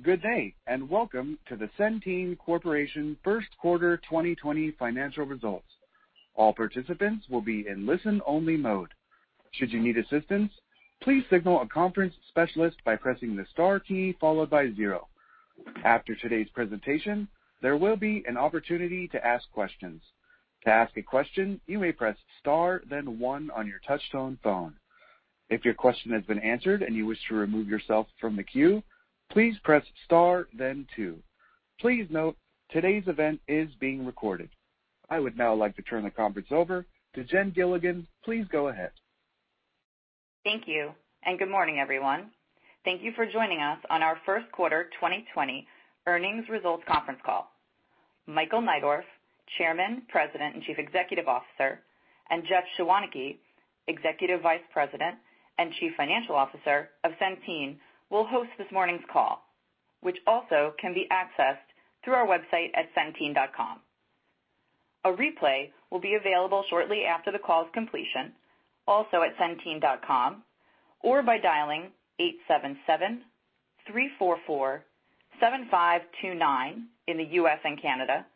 Good day, and welcome to the Centene Corporation first quarter 2020 financial results. All participants will be in listen-only mode. Should you need assistance, please signal a conference specialist by pressing the star key followed by zero. After today's presentation, there will be an opportunity to ask questions. To ask a question, you may press star then one on your touchtone phone. If your question has been answered and you wish to remove yourself from the queue, please press star then two. Please note, today's event is being recorded. I would now like to turn the conference over to Jen Gilligan. Please go ahead. Thank you, good morning, everyone. Thank you for joining us on our first quarter 2020 earnings results conference call. Michael Neidorff, Chairman, President, and Chief Executive Officer, and Jeff Schwaneke, Executive Vice President and Chief Financial Officer of Centene will host this morning's call, which also can be accessed through our website at centene.com. A replay will be available shortly after the call's completion, also at centene.com, or by dialing 877-344-7529 in the U.S. and Canada,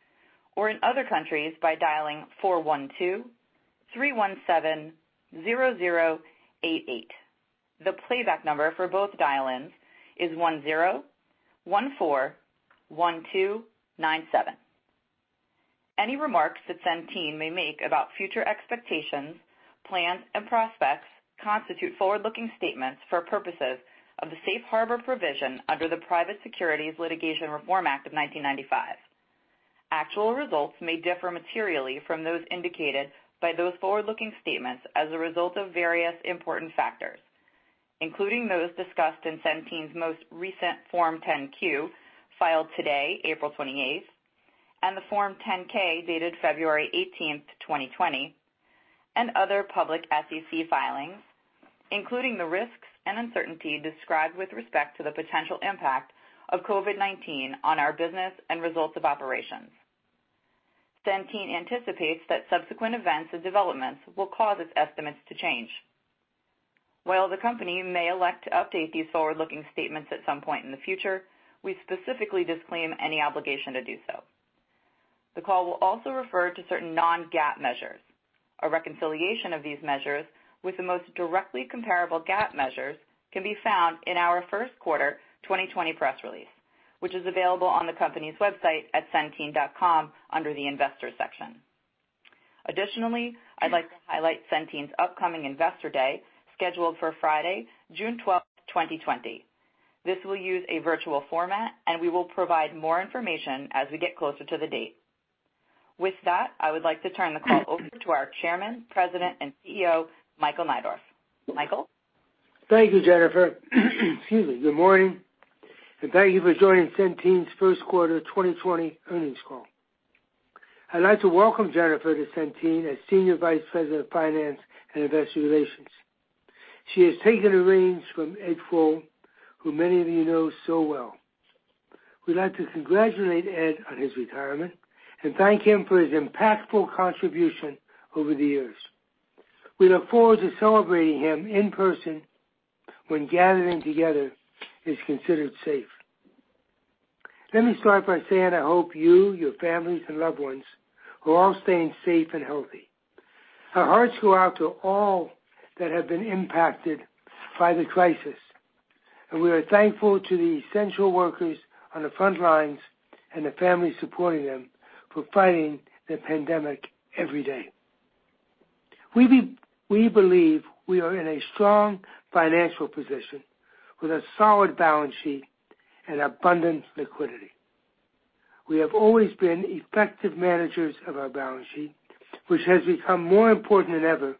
or in other countries by dialing 412-317-0088. The playback number for both dial-ins is 1014-1297. Any remarks that Centene may make about future expectations, plans, and prospects constitute forward-looking statements for purposes of the safe harbor provision under the Private Securities Litigation Reform Act of 1995. Actual results may differ materially from those indicated by those forward-looking statements as a result of various important factors, including those discussed in Centene's most recent Form 10-Q, filed today, April 28th, and the Form 10-K dated February 18th, 2020, and other public SEC filings, including the risks and uncertainty described with respect to the potential impact of COVID-19 on our business and results of operations. Centene anticipates that subsequent events or developments will cause its estimates to change. While the company may elect to update these forward-looking statements at some point in the future, we specifically disclaim any obligation to do so. The call will also refer to certain non-GAAP measures. A reconciliation of these measures with the most directly comparable GAAP measures can be found in our first quarter 2020 press release, which is available on the company's website at centene.com under the investor section. Additionally, I'd like to highlight Centene's upcoming Investor Day scheduled for Friday, June 12th, 2020. This will use a virtual format, and we will provide more information as we get closer to the date. With that, I would like to turn the call over to our Chairman, President, and CEO, Michael Neidorff. Michael? Thank you, Jennifer. Excuse me. Good morning, and thank you for joining Centene's first quarter 2020 earnings call. I'd like to welcome Jennifer to Centene as Senior Vice President of Finance and Investor Relations. She has taken the reins from Ed Fall, who many of you know so well. We'd like to congratulate Ed on his retirement and thank him for his impactful contribution over the years. We look forward to celebrating him in person when gathering together is considered safe. Let me start by saying I hope you, your families, and loved ones are all staying safe and healthy. Our hearts go out to all that have been impacted by the crisis, and we are thankful to the essential workers on the front lines and the families supporting them for fighting the pandemic every day. We believe we are in a strong financial position with a solid balance sheet and abundant liquidity. We have always been effective managers of our balance sheet, which has become more important than ever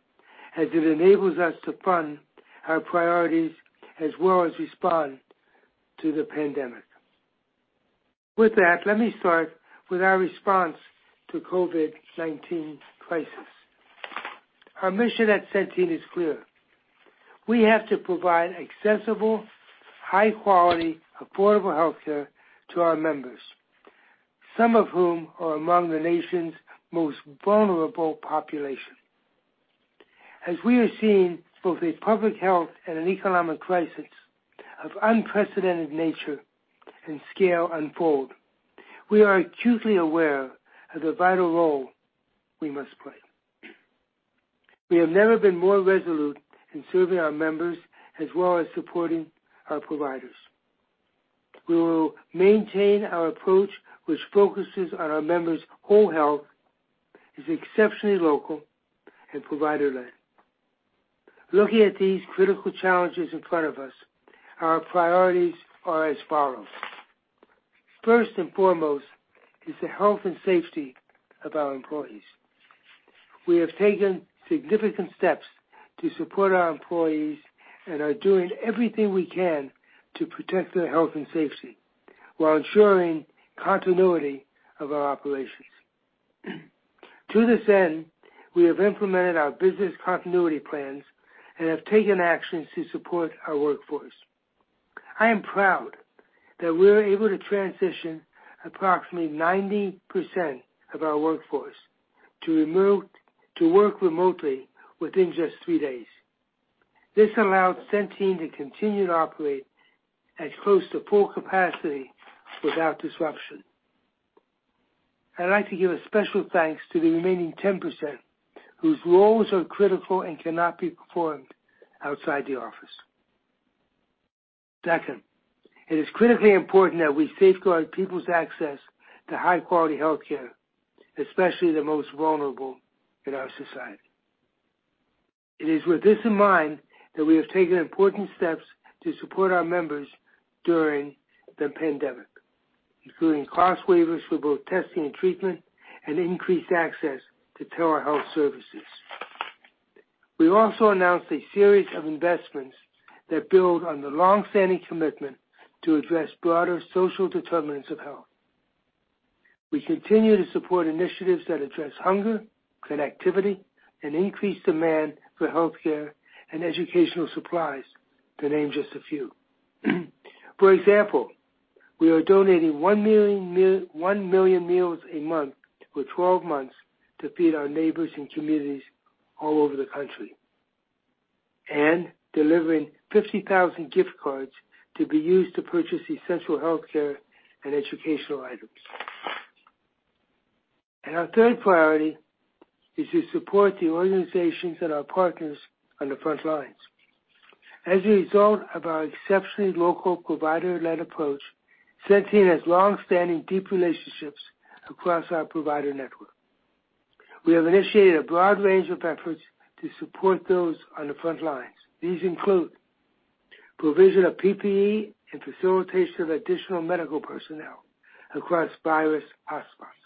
as it enables us to fund our priorities as well as respond to the pandemic. With that, let me start with our response to COVID-19 crisis. Our mission at Centene is clear. We have to provide accessible, high quality, affordable healthcare to our members, some of whom are among the nation's most vulnerable population. As we are seeing both a public health and an economic crisis of unprecedented nature and scale unfold, we are acutely aware of the vital role we must play. We have never been more resolute in serving our members as well as supporting our providers. We will maintain our approach, which focuses on our members' whole health, is exceptionally local, and provider-led. Looking at these critical challenges in front of us, our priorities are as follows. First and foremost is the health and safety of our employees. We have taken significant steps to support our employees and are doing everything we can to protect their health and safety while ensuring continuity of our operations. To this end, we have implemented our business continuity plans and have taken actions to support our workforce. I am proud that we were able to transition approximately 90% of our workforce to work remotely within just three days. This allowed Centene to continue to operate as close to full capacity without disruption. I'd like to give a special thanks to the remaining 10%, whose roles are critical and cannot be performed outside the office. Second, it is critically important that we safeguard people's access to high-quality healthcare, especially the most vulnerable in our society. It is with this in mind that we have taken important steps to support our members during the pandemic, including cost waivers for both testing and treatment, and increased access to telehealth services. We also announced a series of investments that build on the longstanding commitment to address broader social determinants of health. We continue to support initiatives that address hunger, connectivity, and increased demand for healthcare and educational supplies, to name just a few. For example, we are donating 1 million meals a month for 12 months to feed our neighbors and communities all over the country, and delivering 50,000 gift cards to be used to purchase essential healthcare and educational items. Our third priority is to support the organizations and our partners on the front lines. As a result of our exceptionally local provider-led approach, Centene has longstanding, deep relationships across our provider network. We have initiated a broad range of efforts to support those on the front lines. These include provision of PPE and facilitation of additional medical personnel across virus hotspots,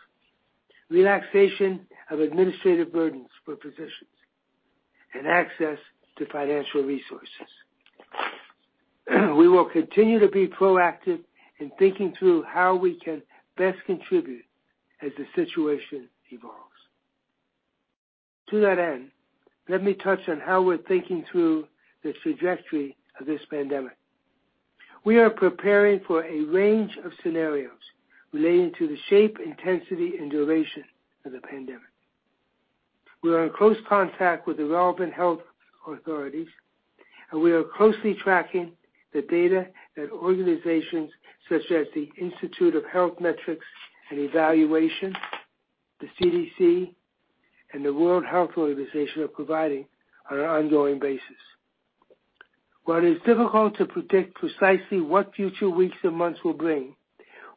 relaxation of administrative burdens for physicians, and access to financial resources. We will continue to be proactive in thinking through how we can best contribute as the situation evolves. To that end, let me touch on how we're thinking through the trajectory of this pandemic. We are preparing for a range of scenarios relating to the shape, intensity, and duration of the pandemic. We are in close contact with relevant health authorities, and we are closely tracking the data that organizations such as the Institute for Health Metrics and Evaluation, the CDC, and the World Health Organization are providing on an ongoing basis. While it is difficult to predict precisely what future weeks and months will bring,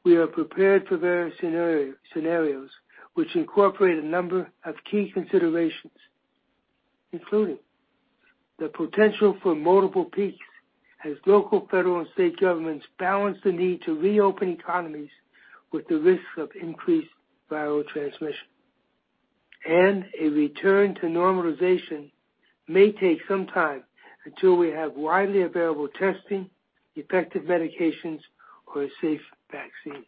we are prepared for various scenarios, which incorporate a number of key considerations, including the potential for multiple peaks as local, federal, and state governments balance the need to reopen economies with the risk of increased viral transmission. A return to normalization may take some time until we have widely available testing, effective medications, or a safe vaccine.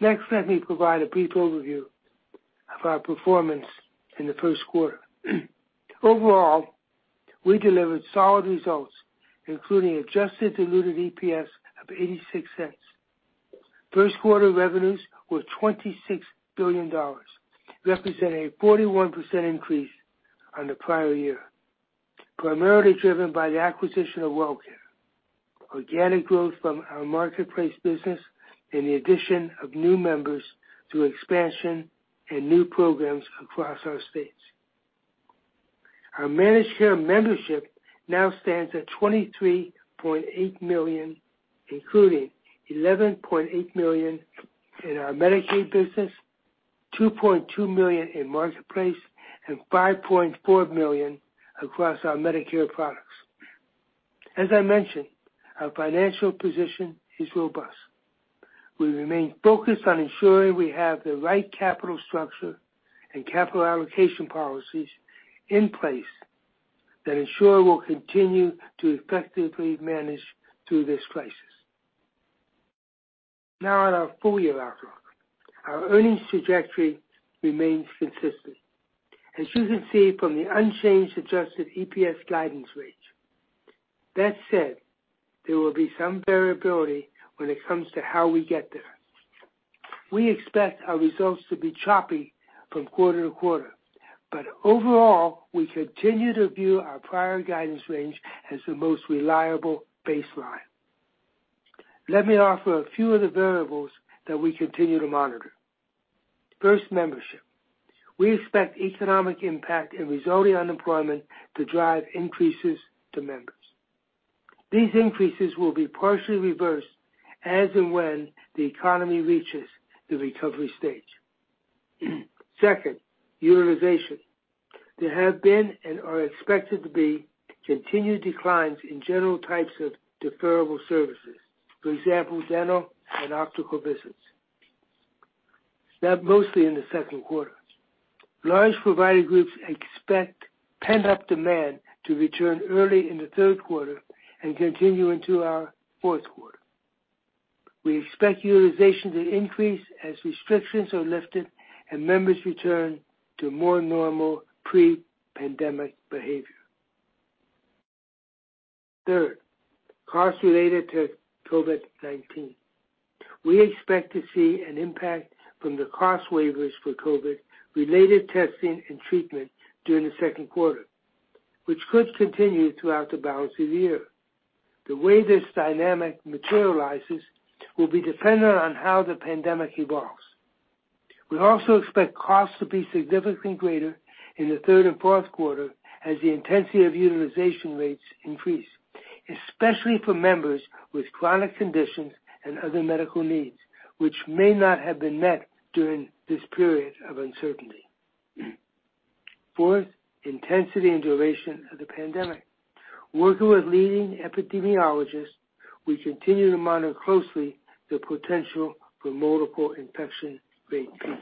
Next, let me provide a brief overview of our performance in the first quarter. Overall, we delivered solid results, including adjusted diluted EPS of $0.86. First-quarter revenues were $26 billion, representing a 41% increase on the prior year, primarily driven by the acquisition of WellCare, organic growth from our Marketplace business, and the addition of new members through expansion and new programs across our states. Our managed care membership now stands at 23.8 million, including 11.8 million in our Medicaid business, 2.2 million in Marketplace, and 5.4 million across our Medicare products. As I mentioned, our financial position is robust. We remain focused on ensuring we have the right capital structure and capital allocation policies in place that ensure we'll continue to effectively manage through this crisis. Now on our full year outlook. Our earnings trajectory remains consistent, as you can see from the unchanged adjusted EPS guidance range. That said, there will be some variability when it comes to how we get there. We expect our results to be choppy from quarter to quarter. Overall, we continue to view our prior guidance range as the most reliable baseline. Let me offer a few of the variables that we continue to monitor. First, membership. We expect economic impact and resulting unemployment to drive increases to members. These increases will be partially reversed as and when the economy reaches the recovery stage. Second, utilization. There have been and are expected to be continued declines in general types of deferrable services, for example, dental and optical visits, that mostly in the second quarter. Large provider groups expect pent-up demand to return early in the third quarter and continue into our fourth quarter. We expect utilization to increase as restrictions are lifted and members return to more normal pre-pandemic behavior. Third, costs related to COVID-19. We expect to see an impact from the cost waivers for COVID-related testing and treatment during the second quarter, which could continue throughout the balance of the year. The way this dynamic materializes will be dependent on how the pandemic evolves. We also expect costs to be significantly greater in the third and fourth quarter as the intensity of utilization rates increase, especially for members with chronic conditions and other medical needs, which may not have been met during this period of uncertainty. Fourth, intensity and duration of the pandemic. Working with leading epidemiologists, we continue to monitor closely the potential for multiple infection rate peaks.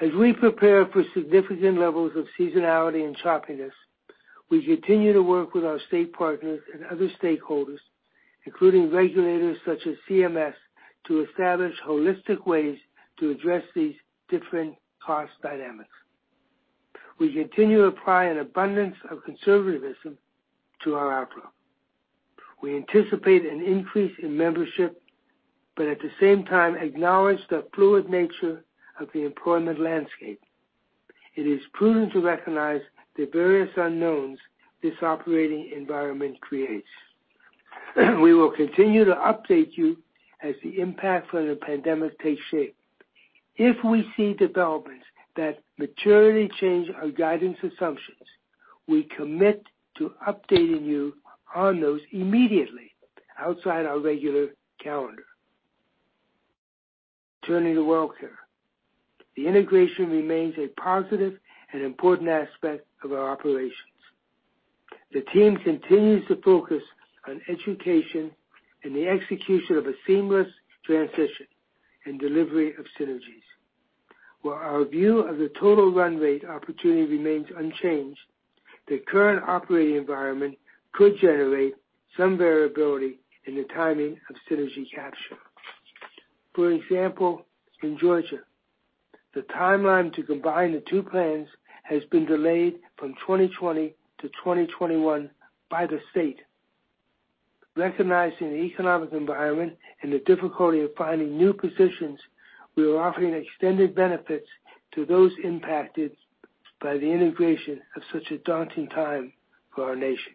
As we prepare for significant levels of seasonality and choppiness, we continue to work with our state partners and other stakeholders, including regulators such as CMS, to establish holistic ways to address these different cost dynamics. We continue to apply an abundance of conservatism to our outlook. We anticipate an increase in membership, but at the same time acknowledge the fluid nature of the employment landscape. It is prudent to recognize the various unknowns this operating environment creates. We will continue to update you as the impact from the pandemic takes shape. If we see developments that materially change our guidance assumptions, we commit to updating you on those immediately, outside our regular calendar. Turning to WellCare. The integration remains a positive and important aspect of our operations. The team continues to focus on education and the execution of a seamless transition and delivery of synergies. While our view of the total run rate opportunity remains unchanged, the current operating environment could generate some variability in the timing of synergy capture. For example, in Georgia, the timeline to combine the two plans has been delayed from 2020 to 2021 by the state. Recognizing the economic environment and the difficulty of finding new positions, we are offering extended benefits to those impacted by the integration at such a daunting time for our nation.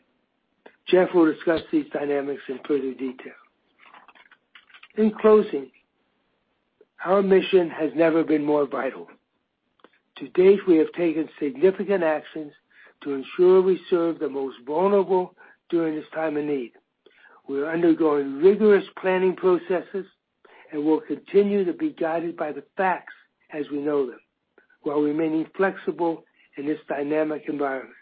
Jeff will discuss these dynamics in further detail. In closing, our mission has never been more vital. To date, we have taken significant actions to ensure we serve the most vulnerable during this time of need. We are undergoing rigorous planning processes and will continue to be guided by the facts as we know them, while remaining flexible in this dynamic environment.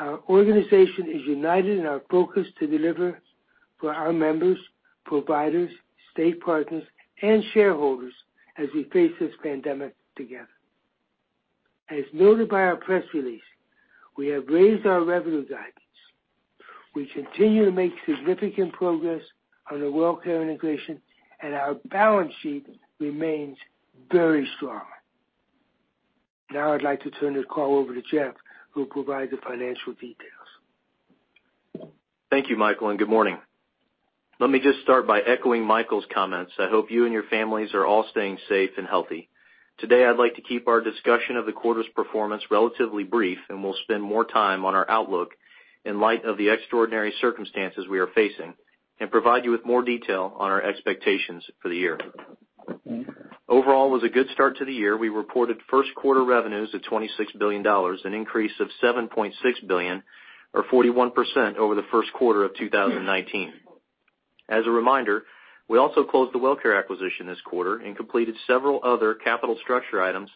Our organization is united in our focus to deliver for our members, providers, state partners, and shareholders as we face this pandemic together. As noted by our press release, we have raised our revenue guidance. We continue to make significant progress on the WellCare integration, and our balance sheet remains very strong. Now I'd like to turn the call over to Jeff, who will provide the financial details. Thank you, Michael, and good morning. Let me just start by echoing Michael's comments. I hope you and your families are all staying safe and healthy. Today, I'd like to keep our discussion of the quarter's performance relatively brief, and we'll spend more time on our outlook in light of the extraordinary circumstances we are facing and provide you with more detail on our expectations for the year. Overall, it was a good start to the year. We reported first quarter revenues of $26 billion, an increase of $7.6 billion or 41% over the first quarter of 2019. As a reminder, we also closed the WellCare acquisition this quarter and completed several other capital structure items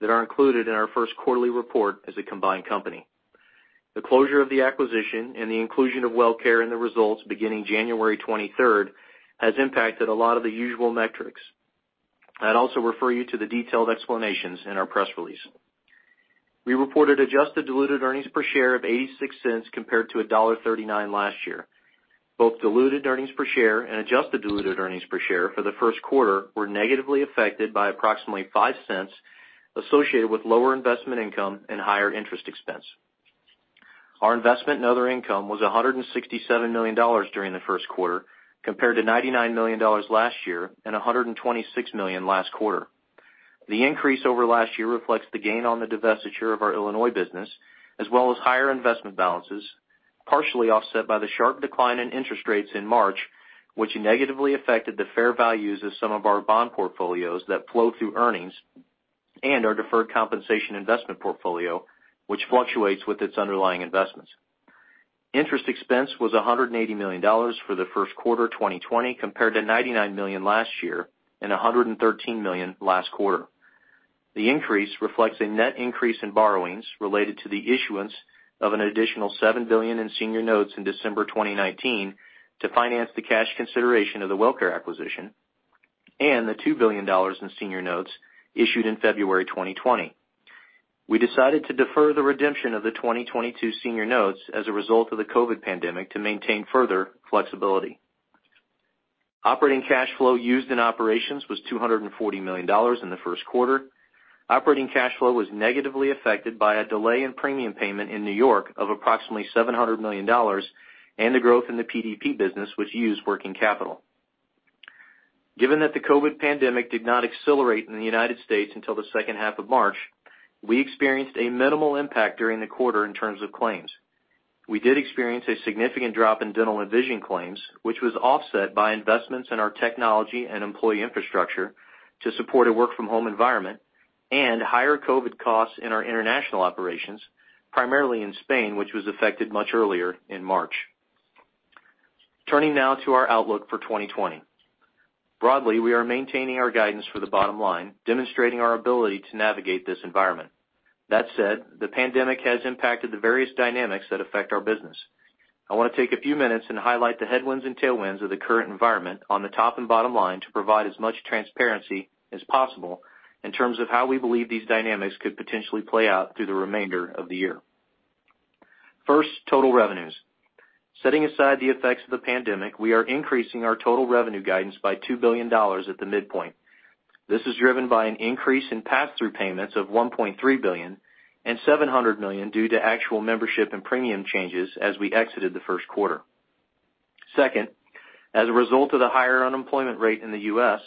that are included in our first quarterly report as a combined company. The closure of the acquisition and the inclusion of WellCare in the results beginning January 23rd has impacted a lot of the usual metrics. I'd also refer you to the detailed explanations in our press release. We reported adjusted diluted earnings per share of $0.86 compared to $1.39 last year. Both diluted earnings per share and adjusted diluted earnings per share for the first quarter were negatively affected by approximately $0.05, associated with lower investment income and higher interest expense. Our investment and other income was $167 million during the first quarter, compared to $99 million last year and $126 million last quarter. The increase over last year reflects the gain on the divestiture of our Illinois business, as well as higher investment balances, partially offset by the sharp decline in interest rates in March, which negatively affected the fair values of some of our bond portfolios that flow through earnings and our deferred compensation investment portfolio, which fluctuates with its underlying investments. Interest expense was $180 million for the first quarter 2020, compared to $99 million last year and $113 million last quarter. The increase reflects a net increase in borrowings related to the issuance of an additional $7 billion in senior notes in December 2019 to finance the cash consideration of the WellCare acquisition and the $2 billion in senior notes issued in February 2020. We decided to defer the redemption of the 2022 senior notes as a result of the COVID pandemic to maintain further flexibility. Operating cash flow used in operations was $240 million in the first quarter. Operating cash flow was negatively affected by a delay in premium payment in N.Y. of approximately $700 million, and the growth in the PDP business, which used working capital. Given that the COVID pandemic did not accelerate in the U.S. until the second half of March, we experienced a minimal impact during the quarter in terms of claims. We did experience a significant drop in dental and vision claims, which was offset by investments in our technology and employee infrastructure to support a work-from-home environment and higher COVID costs in our international operations, primarily in Spain, which was affected much earlier in March. Turning now to our outlook for 2020. Broadly, we are maintaining our guidance for the bottom line, demonstrating our ability to navigate this environment. That said, the pandemic has impacted the various dynamics that affect our business. I want to take a few minutes and highlight the headwinds and tailwinds of the current environment on the top and bottom line to provide as much transparency as possible in terms of how we believe these dynamics could potentially play out through the remainder of the year. First, total revenues. Setting aside the effects of the pandemic, we are increasing our total revenue guidance by $2 billion at the midpoint. This is driven by an increase in pass-through payments of $1.3 billion and $700 million due to actual membership and premium changes as we exited the first quarter. Second, as a result of the higher unemployment rate in the U.S.,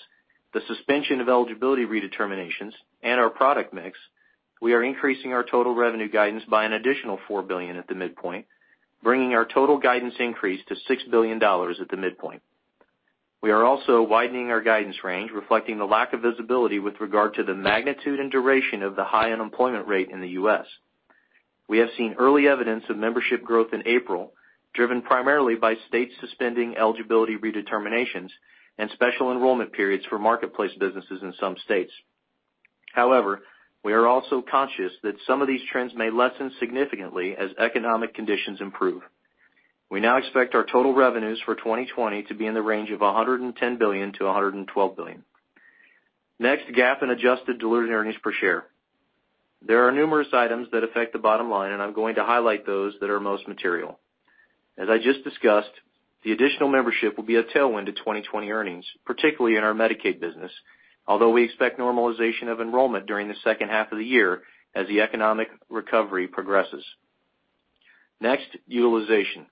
the suspension of eligibility redeterminations, and our product mix, we are increasing our total revenue guidance by an additional $4 billion at the midpoint, bringing our total guidance increase to $6 billion at the midpoint. We are also widening our guidance range, reflecting the lack of visibility with regard to the magnitude and duration of the high unemployment rate in the U.S. We have seen early evidence of membership growth in April, driven primarily by states suspending eligibility redeterminations and special enrollment periods for Marketplace businesses in some states. We are also conscious that some of these trends may lessen significantly as economic conditions improve. We now expect our total revenues for 2020 to be in the range of $110 billion-$112 billion. Next, GAAP and adjusted diluted earnings per share. There are numerous items that affect the bottom line, and I'm going to highlight those that are most material. As I just discussed, the additional membership will be a tailwind to 2020 earnings, particularly in our Medicaid business, although we expect normalization of enrollment during the second half of the year as the economic recovery progresses. Next, utilization.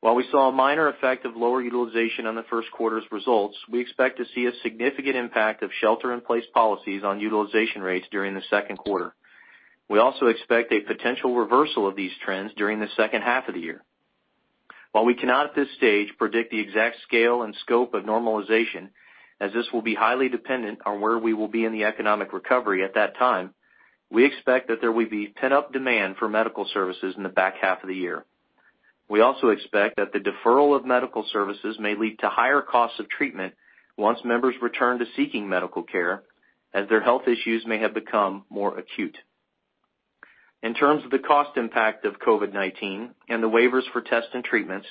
While we saw a minor effect of lower utilization on the first quarter's results, we expect to see a significant impact of shelter-in-place policies on utilization rates during the second quarter. We also expect a potential reversal of these trends during the second half of the year. While we cannot, at this stage, predict the exact scale and scope of normalization, as this will be highly dependent on where we will be in the economic recovery at that time, we expect that there will be pent-up demand for medical services in the back half of the year. We also expect that the deferral of medical services may lead to higher costs of treatment once members return to seeking medical care, as their health issues may have become more acute. In terms of the cost impact of COVID-19 and the waivers for tests and treatments,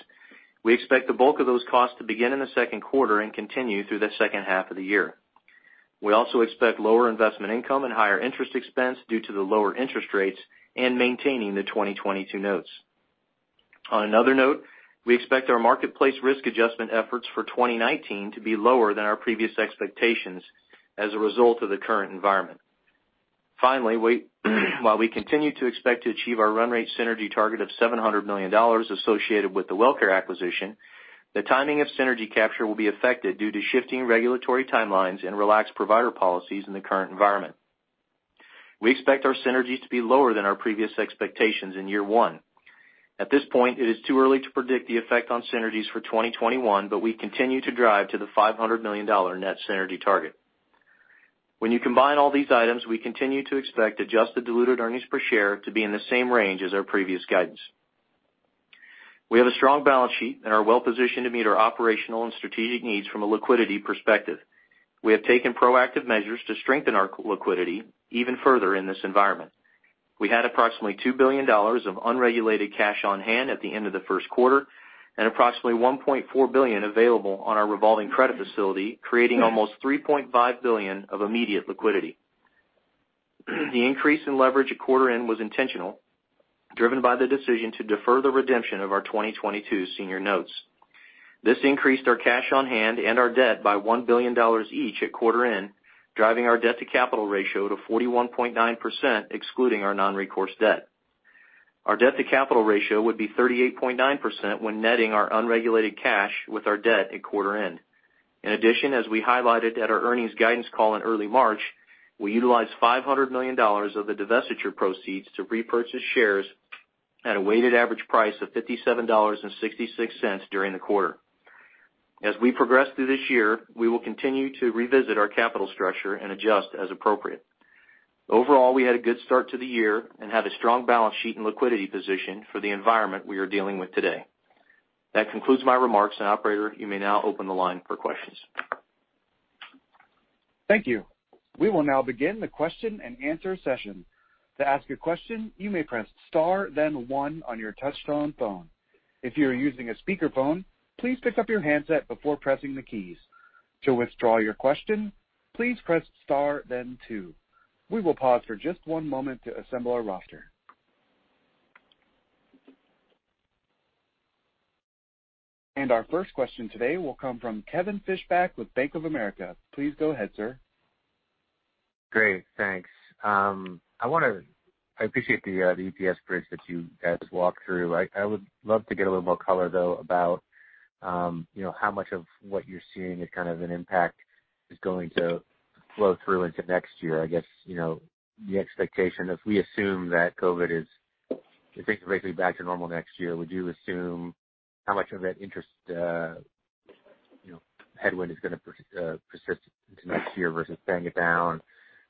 we expect the bulk of those costs to begin in the second quarter and continue through the second half of the year. We also expect lower investment income and higher interest expense due to the lower interest rates and maintaining the 2022 notes. On another note, we expect our Marketplace risk adjustment efforts for 2019 to be lower than our previous expectations as a result of the current environment. Finally, while we continue to expect to achieve our run rate synergy target of $700 million associated with the WellCare acquisition, the timing of synergy capture will be affected due to shifting regulatory timelines and relaxed provider policies in the current environment. We expect our synergies to be lower than our previous expectations in year one. At this point, it is too early to predict the effect on synergies for 2021, but we continue to drive to the $500 million net synergy target. When you combine all these items, we continue to expect adjusted diluted earnings per share to be in the same range as our previous guidance. We have a strong balance sheet and are well-positioned to meet our operational and strategic needs from a liquidity perspective. We have taken proactive measures to strengthen our liquidity even further in this environment. We had approximately $2 billion of unregulated cash on hand at the end of the first quarter and approximately $1.4 billion available on our revolving credit facility, creating almost $3.5 billion of immediate liquidity. The increase in leverage at quarter end was intentional, driven by the decision to defer the redemption of our 2022 senior notes. This increased our cash on hand and our debt by $1 billion each at quarter end, driving our debt-to-capital ratio to 41.9%, excluding our non-recourse debt. Our debt-to-capital ratio would be 38.9% when netting our unregulated cash with our debt at quarter end. In addition, as we highlighted at our earnings guidance call in early March, we utilized $500 million of the divestiture proceeds to repurchase shares at a weighted average price of $57.66 during the quarter. As we progress through this year, we will continue to revisit our capital structure and adjust as appropriate. Overall, we had a good start to the year and have a strong balance sheet and liquidity position for the environment we are dealing with today. That concludes my remarks, and operator, you may now open the line for questions. Thank you. We will now begin the question-and-answer session. To ask a question, you may press star then one on your touch-tone phone. If you are using a speakerphone, please pick up your handset before pressing the keys. To withdraw your question, please press star then two. We will pause for just one moment to assemble our roster. Our first question today will come from Kevin Fischbeck with Bank of America. Please go ahead, sir. Great. Thanks. I appreciate the EPS bridge that you guys walked through. I would love to get a little more color, though, about how much of what you're seeing as kind of an impact is going to flow through into next year. I guess, the expectation, if we assume that COVID-19 is basically back to normal next year, would you assume how much of that interest headwind is going to persist into next year versus paying it down?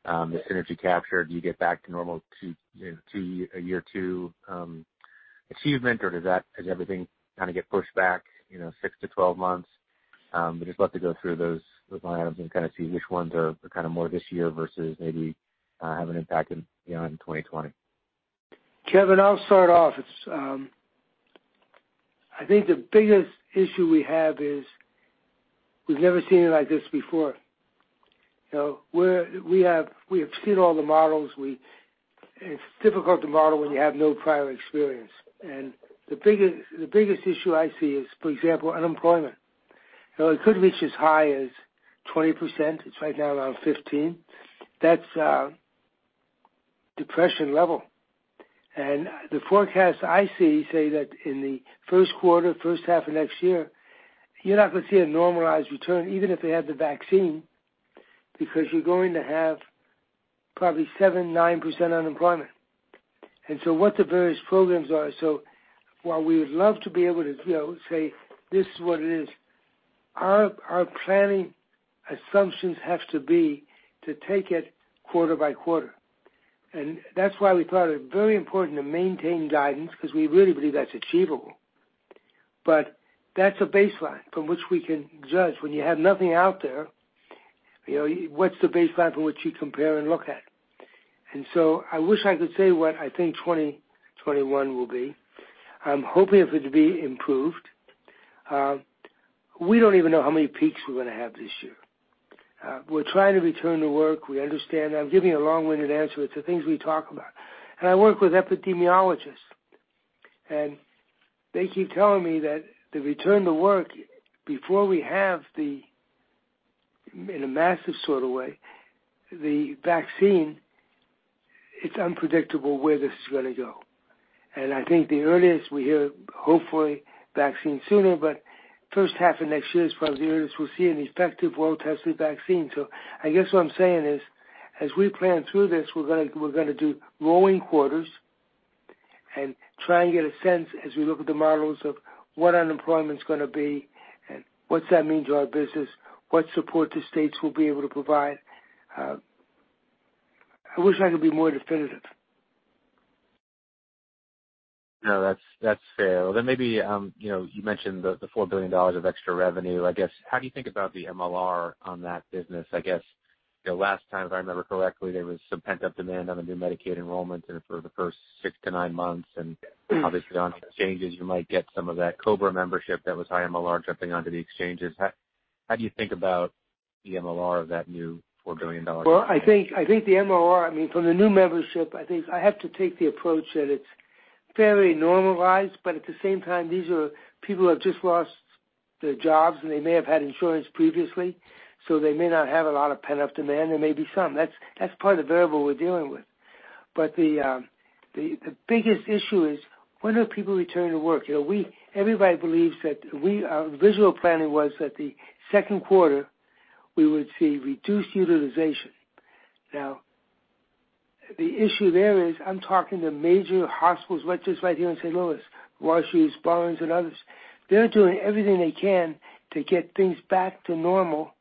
The synergy capture, do you get back to normal to a year two achievement, or does everything kind of get pushed back 6-12 months? I'd just love to go through those line items and kind of see which ones are kind of more this year versus maybe have an impact beyond 2020. Kevin, I'll start off. I think the biggest issue we have is we've never seen it like this before. We have seen all the models. It's difficult to model when you have no prior experience. The biggest issue I see is, for example, unemployment. It could reach as high as 20%. It's right now around 15%. That's depression level. The forecast I see say that in the first quarter, first half of next year, you're not going to see a normalized return, even if they have the vaccine, because you're going to have probably 7%, 9% unemployment. What the various programs are, so while we would love to be able to say, "This is what it is," our planning assumptions have to be to take it quarter by quarter. That's why we thought it very important to maintain guidance, because we really believe that's achievable. That's a baseline from which we can judge. When you have nothing out there, what's the baseline from which you compare and look at? I wish I could say what I think 2021 will be. I'm hoping for it to be improved. We don't even know how many peaks we're going to have this year. We're trying to return to work. We understand. I'm giving a long-winded answer. It's the things we talk about. I work with epidemiologists, and they keep telling me that the return to work, before we have, in a massive sort of way, the vaccine, it's unpredictable where this is going to go. I think the earliest we hear, hopefully vaccine sooner, but first half of next year is probably the earliest we'll see an effective well-tested vaccine. I guess what I'm saying is, as we plan through this, we're going to do rolling quarters and try and get a sense as we look at the models of what unemployment is going to be and what's that mean to our business, what support the states will be able to provide. I wish I could be more definitive. No, that's fair. Well, maybe, you mentioned the $4 billion of extra revenue. I guess, how do you think about the MLR on that business? I guess, the last time, if I remember correctly, there was some pent-up demand on the new Medicaid enrollment for the first six to nine months, and obviously on exchanges, you might get some of that COBRA membership that was high MLR jumping onto the exchanges. How do you think about the MLR of that new $4 billion? Well, I think the MLR, from the new membership, I have to take the approach that it's fairly normalized, but at the same time, these are people who have just lost their jobs, and they may have had insurance previously. They may not have a lot of pent-up demand. There may be some. That's part of the variable we're dealing with. The biggest issue is, when do people return to work? Everybody believes that our visual planning was that the second quarter, we would see reduced utilization. The issue there is I'm talking to major hospitals right here in St. Louis, Washington University, Barnes and others. They're doing everything they can to get things back to normal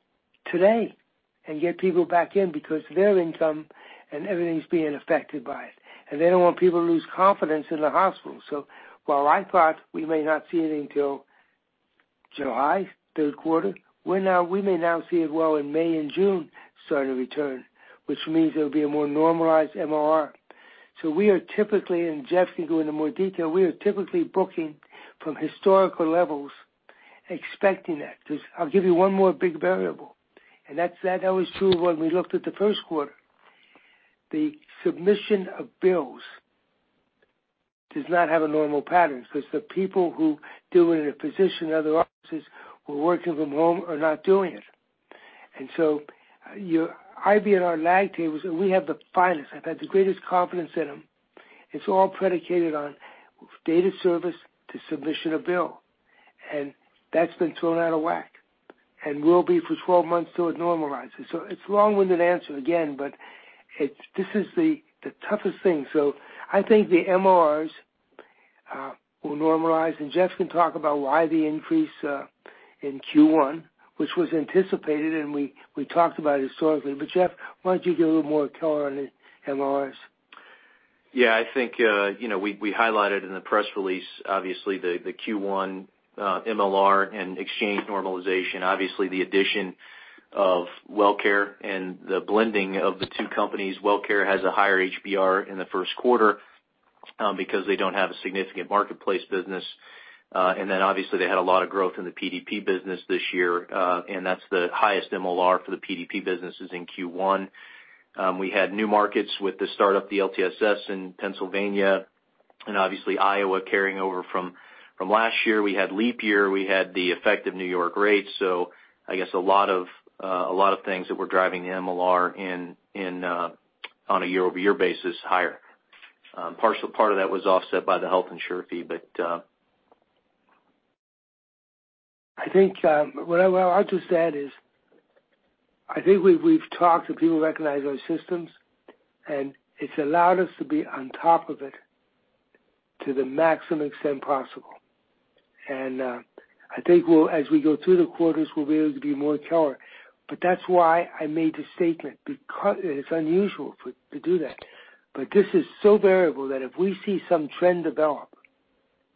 today and get people back in because their income and everything's being affected by it. They don't want people to lose confidence in the hospital. While I thought we may not see it until July, third quarter, we may now see it well in May and June starting to return, which means there'll be a more normalized MLR. We are typically, and Jeff can go into more detail, we are typically booking from historical levels expecting that. I'll give you one more big variable, and that was true when we looked at the first quarter. The submission of bills does not have a normal pattern because the people who do it in a physician or other offices who are working from home are not doing it. I've been on our lag tables, and we have the finest. I've had the greatest confidence in them. It's all predicated on data service to submission of bill. That's been thrown out of whack and will be for 12 months till it normalizes. It's a long-winded answer again. This is the toughest thing. I think the MLRs will normalize. Jeff can talk about why the increase in Q1, which was anticipated, and we talked about it historically. Jeff, why don't you give a little more color on the MLRs? I think we highlighted in the press release, obviously, the Q1 MLR and exchange normalization. Obviously, the addition of WellCare and the blending of the two companies. WellCare has a higher HBR in the first quarter because they don't have a significant Marketplace business. Obviously, they had a lot of growth in the PDP business this year, and that's the highest MLR for the PDP businesses in Q1. We had new markets with the start of the LTSS in Pennsylvania, and obviously Iowa carrying over from last year. We had leap year, we had the effect of New York rates. I guess a lot of things that were driving MLR on a year-over-year basis higher. Part of that was offset by the health insurer fee. I think what I'll just add is, I think we've talked, and people recognize our systems, and it's allowed us to be on top of it to the maximum extent possible. I think as we go through the quarters, we'll be able to be more clear. That's why I made the statement, because it's unusual to do that. This is so variable that if we see some trend develop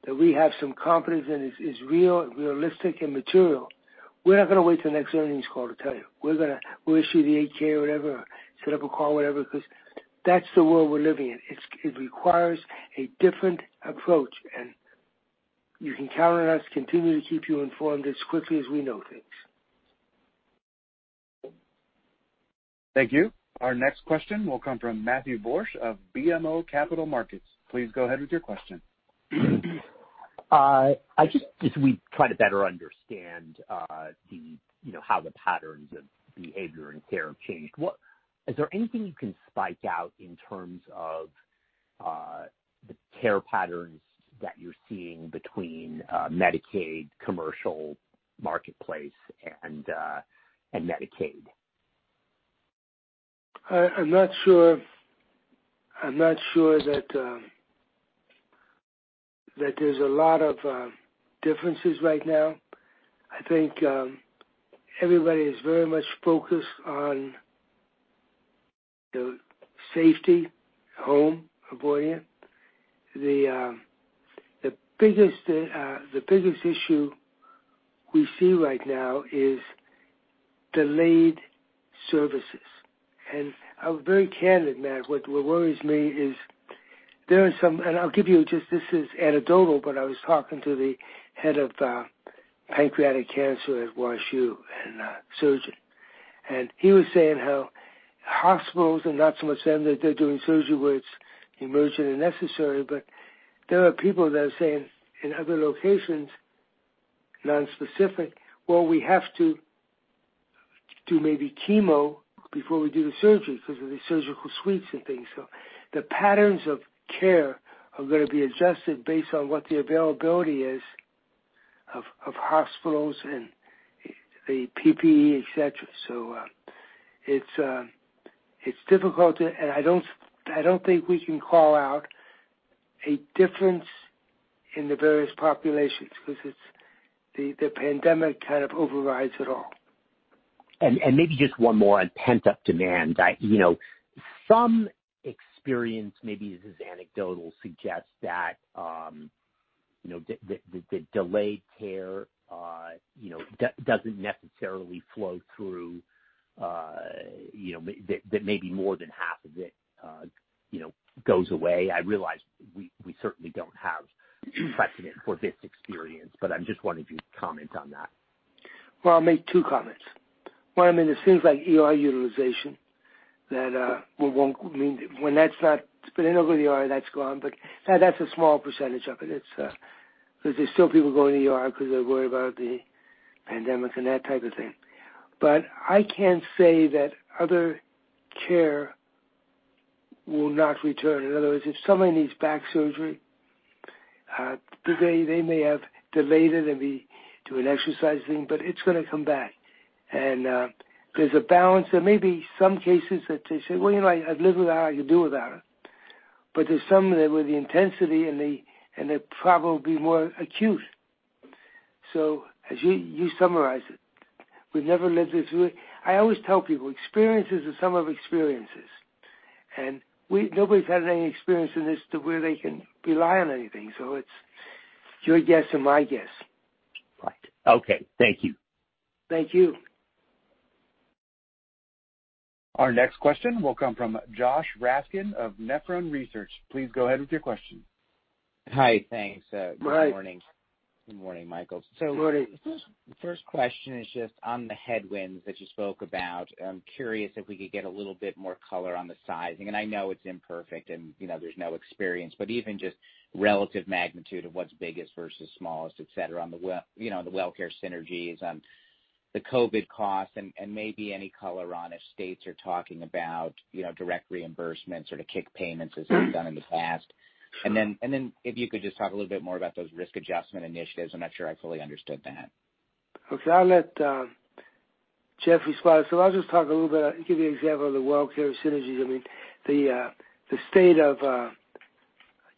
that we have some confidence in, it's realistic and material, we're not going to wait till next earnings call to tell you. We'll issue the 8-K or whatever, set up a call, whatever, because that's the world we're living in. It requires a different approach, and you can count on us to continue to keep you informed as quickly as we know things. Thank you. Our next question will come from Matthew Borsch of BMO Capital Markets. Please go ahead with your question. As we try to better understand how the patterns of behavior and care have changed, is there anything you can spike out in terms of the care patterns that you're seeing between Medicaid, commercial, Marketplace, and Medicaid? I'm not sure that there's a lot of differences right now. I think everybody is very much focused on the safety, home avoidance. The biggest issue we see right now is delayed services. I was very candid, Matt, what worries me is there are some, and I'll give you, just this is anecdotal, but I was talking to the head of pancreatic cancer at WashU, and a surgeon. He was saying how hospitals, and not so much them, they're doing surgery where it's emergent and necessary, but there are people that are saying in other locations, nonspecific, "Well, we have to do maybe chemo before we do the surgery because of the surgical suites and things." The patterns of care are going to be adjusted based on what the availability is of hospitals and the PPE, et cetera. It's difficult, and I don't think we can call out a difference in the various populations because the pandemic kind of overrides it all. Maybe just one more on pent-up demand. Some experience, maybe this is anecdotal, suggests that the delayed care doesn't necessarily flow through, that maybe more than half of it goes away. I realize we certainly don't have precedent for this experience, I'm just wondering if you could comment on that. Well, I'll make two comments. One, I mean, there's things like ER utilization that when that's not spinning over the ER, that's gone, but that's a small percentage of it. Because there's still people going to the ER because they worry about the pandemic and that type of thing. I can't say that other care will not return. In other words, if somebody needs back surgery, today they may have delayed it and be doing exercise thing, but it's going to come back. There's a balance. There may be some cases that they say, "Well, I live with that, I could do without it." There's some that with the intensity, and they're probably more acute. As you summarize it, we've never lived this way. I always tell people, experience is the sum of experiences. Nobody's had any experience in this to where they can rely on anything. It's your guess and my guess. Right. Okay. Thank you. Thank you. Our next question will come from Josh Raskin of Nephron Research. Please go ahead with your question. Hi. Thanks. Hi. Good morning. Good morning, Michael. Good morning. First question is just on the headwinds that you spoke about, I'm curious if we could get a little bit more color on the sizing. I know it's imperfect, and there's no experience, but even just relative magnitude of what's biggest versus smallest, et cetera, on the WellCare synergies, on the COVID costs, and maybe any color on if states are talking about direct reimbursements or the kick payments as they've done in the past. Then if you could just talk a little bit more about those risk adjustment initiatives. I'm not sure I fully understood that. Okay. I'll let Jeff respond. I'll just talk a little bit, give you an example of the WellCare synergies. The state of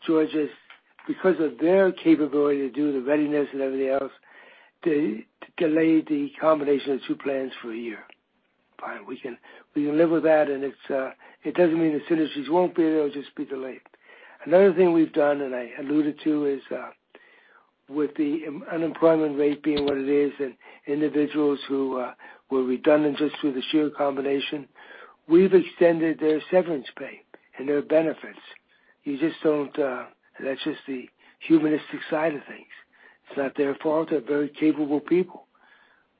Georgia, because of their capability to do the readiness and everything else, delayed the combination of two plans for a year. Fine. We can live with that, and it doesn't mean the synergies won't be there, they'll just be delayed. Another thing we've done, and I alluded to is, with the unemployment rate being what it is and individuals who were redundant just through the sheer combination, we've extended their severance pay. There are benefits. That's just the humanistic side of things. It's not their fault. They're very capable people.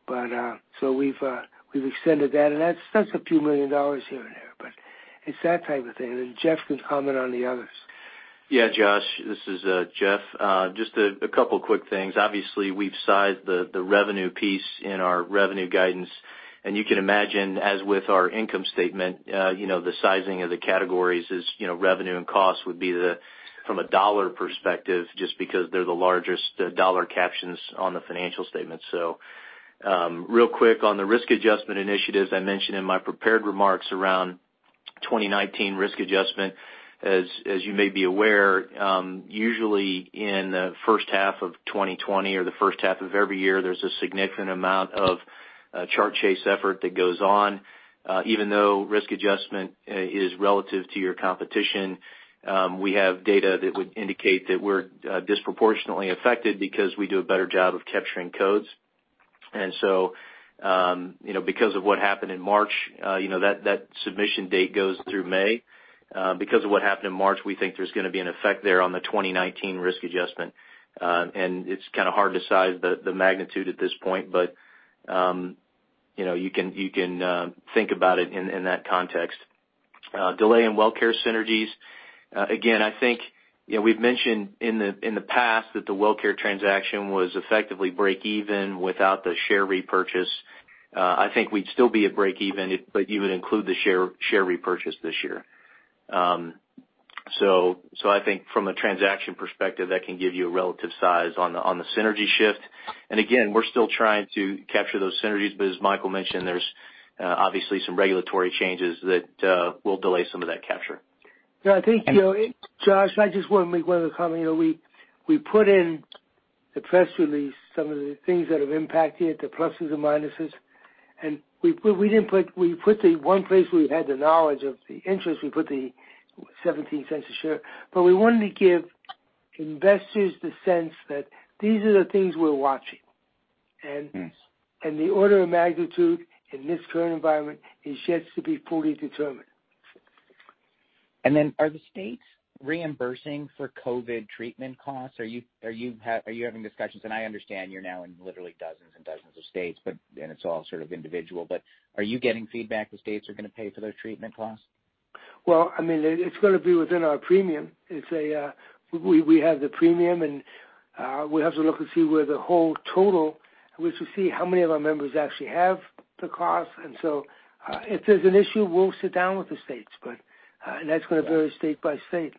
We've extended that, and that's a few million dollars here and there, but it's that type of thing. Jeff can comment on the others. Yeah, Josh, this is Jeff. Just a couple of quick things. Obviously, we've sized the revenue piece in our revenue guidance. You can imagine, as with our income statement, the sizing of the categories is, revenue and cost would be from a dollar perspective, just because they're the largest dollar captions on the financial statement. Real quick on the risk adjustment initiatives, I mentioned in my prepared remarks around 2019 risk adjustment. As you may be aware, usually in the first half of 2020 or the first half of every year, there's a significant amount of chart chase effort that goes on. Even though risk adjustment is relative to your competition, we have data that would indicate that we're disproportionately affected because we do a better job of capturing codes. Because of what happened in March, that submission date goes through May. Because of what happened in March, we think there's going to be an effect there on the 2019 risk adjustment. It's kind of hard to size the magnitude at this point, but you can think about it in that context. Delay in WellCare synergies. Again, I think we've mentioned in the past that the WellCare transaction was effectively break even without the share repurchase. I think we'd still be at break even, but you would include the share repurchase this year. I think from a transaction perspective, that can give you a relative size on the synergy shift. Again, we're still trying to capture those synergies, but as Michael mentioned, there's obviously some regulatory changes that will delay some of that capture. Yeah, I think, Josh, I just want to make one other comment. We put in the press release some of the things that have impacted, the pluses and minuses, and we put the one place where we had the knowledge of the interest, we put the $0.17 a share. We wanted to give investors the sense that these are the things we're watching. Yes. The order of magnitude in this current environment is yet to be fully determined. Are the states reimbursing for COVID treatment costs? Are you having discussions? I understand you're now in literally dozens and dozens of states, it's all sort of individual, but are you getting feedback the states are going to pay for those treatment costs? Well, I mean, it's going to be within our premium. We have the premium, and we have to look to see where the whole total, we have to see how many of our members actually have the cost. If there's an issue, we'll sit down with the states, and that's going to vary state by state.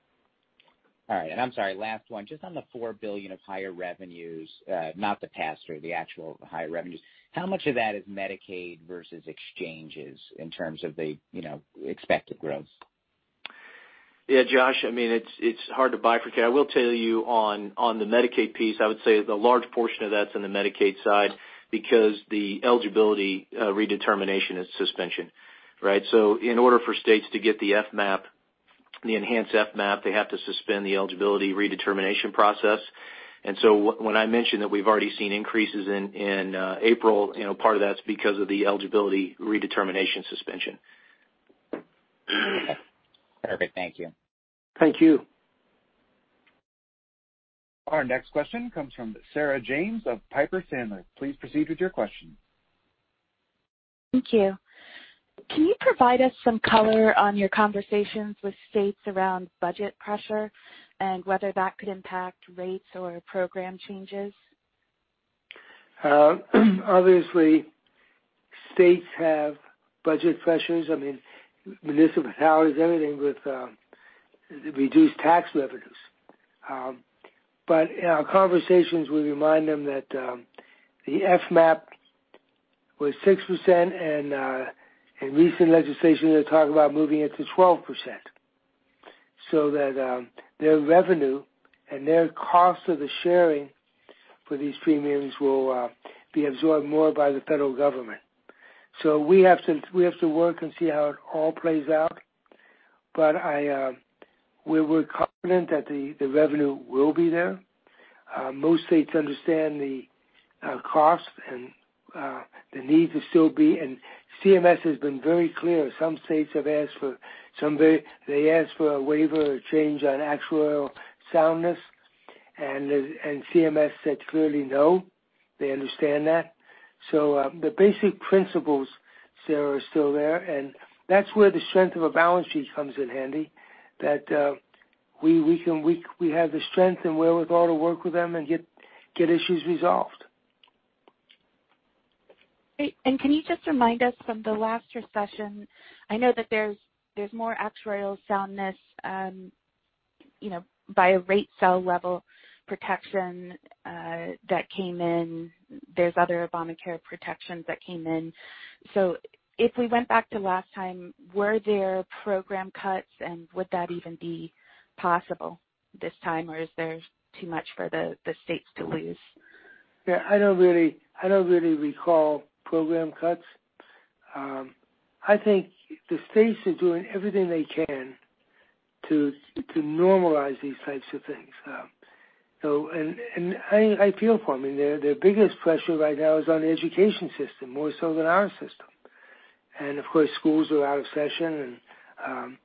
All right. I'm sorry, last one, just on the $4 billion of higher revenues, not the past or the actual higher revenues, how much of that is Medicaid versus exchanges in terms of the expected growth? Josh, I mean, it's hard to bifurcate. I will tell you on the Medicaid piece, I would say the large portion of that's in the Medicaid side because the eligibility redetermination is suspension, right? In order for states to get the FMAP, the enhanced FMAP, they have to suspend the eligibility redetermination process. When I mention that we've already seen increases in April, part of that's because of the eligibility redetermination suspension. Perfect. Thank you. Thank you. Our next question comes from Sarah James of Piper Sandler. Please proceed with your question. Thank you. Can you provide us some color on your conversations with states around budget pressure and whether that could impact rates or program changes? Obviously, states have budget pressures. I mean, municipalities, anything with reduced tax revenues. In our conversations, we remind them that the FMAP was 6%, and recent legislation, they're talking about moving it to 12%, so that their revenue and their cost of the sharing for these premiums will be absorbed more by the federal government. We have to work and see how it all plays out, but we're confident that the revenue will be there. Most states understand the cost and the need to still be, CMS has been very clear. Some states have asked for a waiver or change on actuarial soundness, CMS said clearly, "No." They understand that. The basic principles, Sarah, are still there, and that's where the strength of a balance sheet comes in handy, that we have the strength and wherewithal to work with them and get issues resolved. Great. Can you just remind us from the last recession, I know that there's more actuarial soundness by a rate cell level protection that came in. There's other Obamacare protections that came in. If we went back to last time, were there program cuts, and would that even be possible this time, or is there too much for the states to lose? Yeah. I don't really recall program cuts. I think the states are doing everything they can to normalize these types of things. I feel for them. Their biggest pressure right now is on the education system, more so than our system. Of course, schools are out of session, and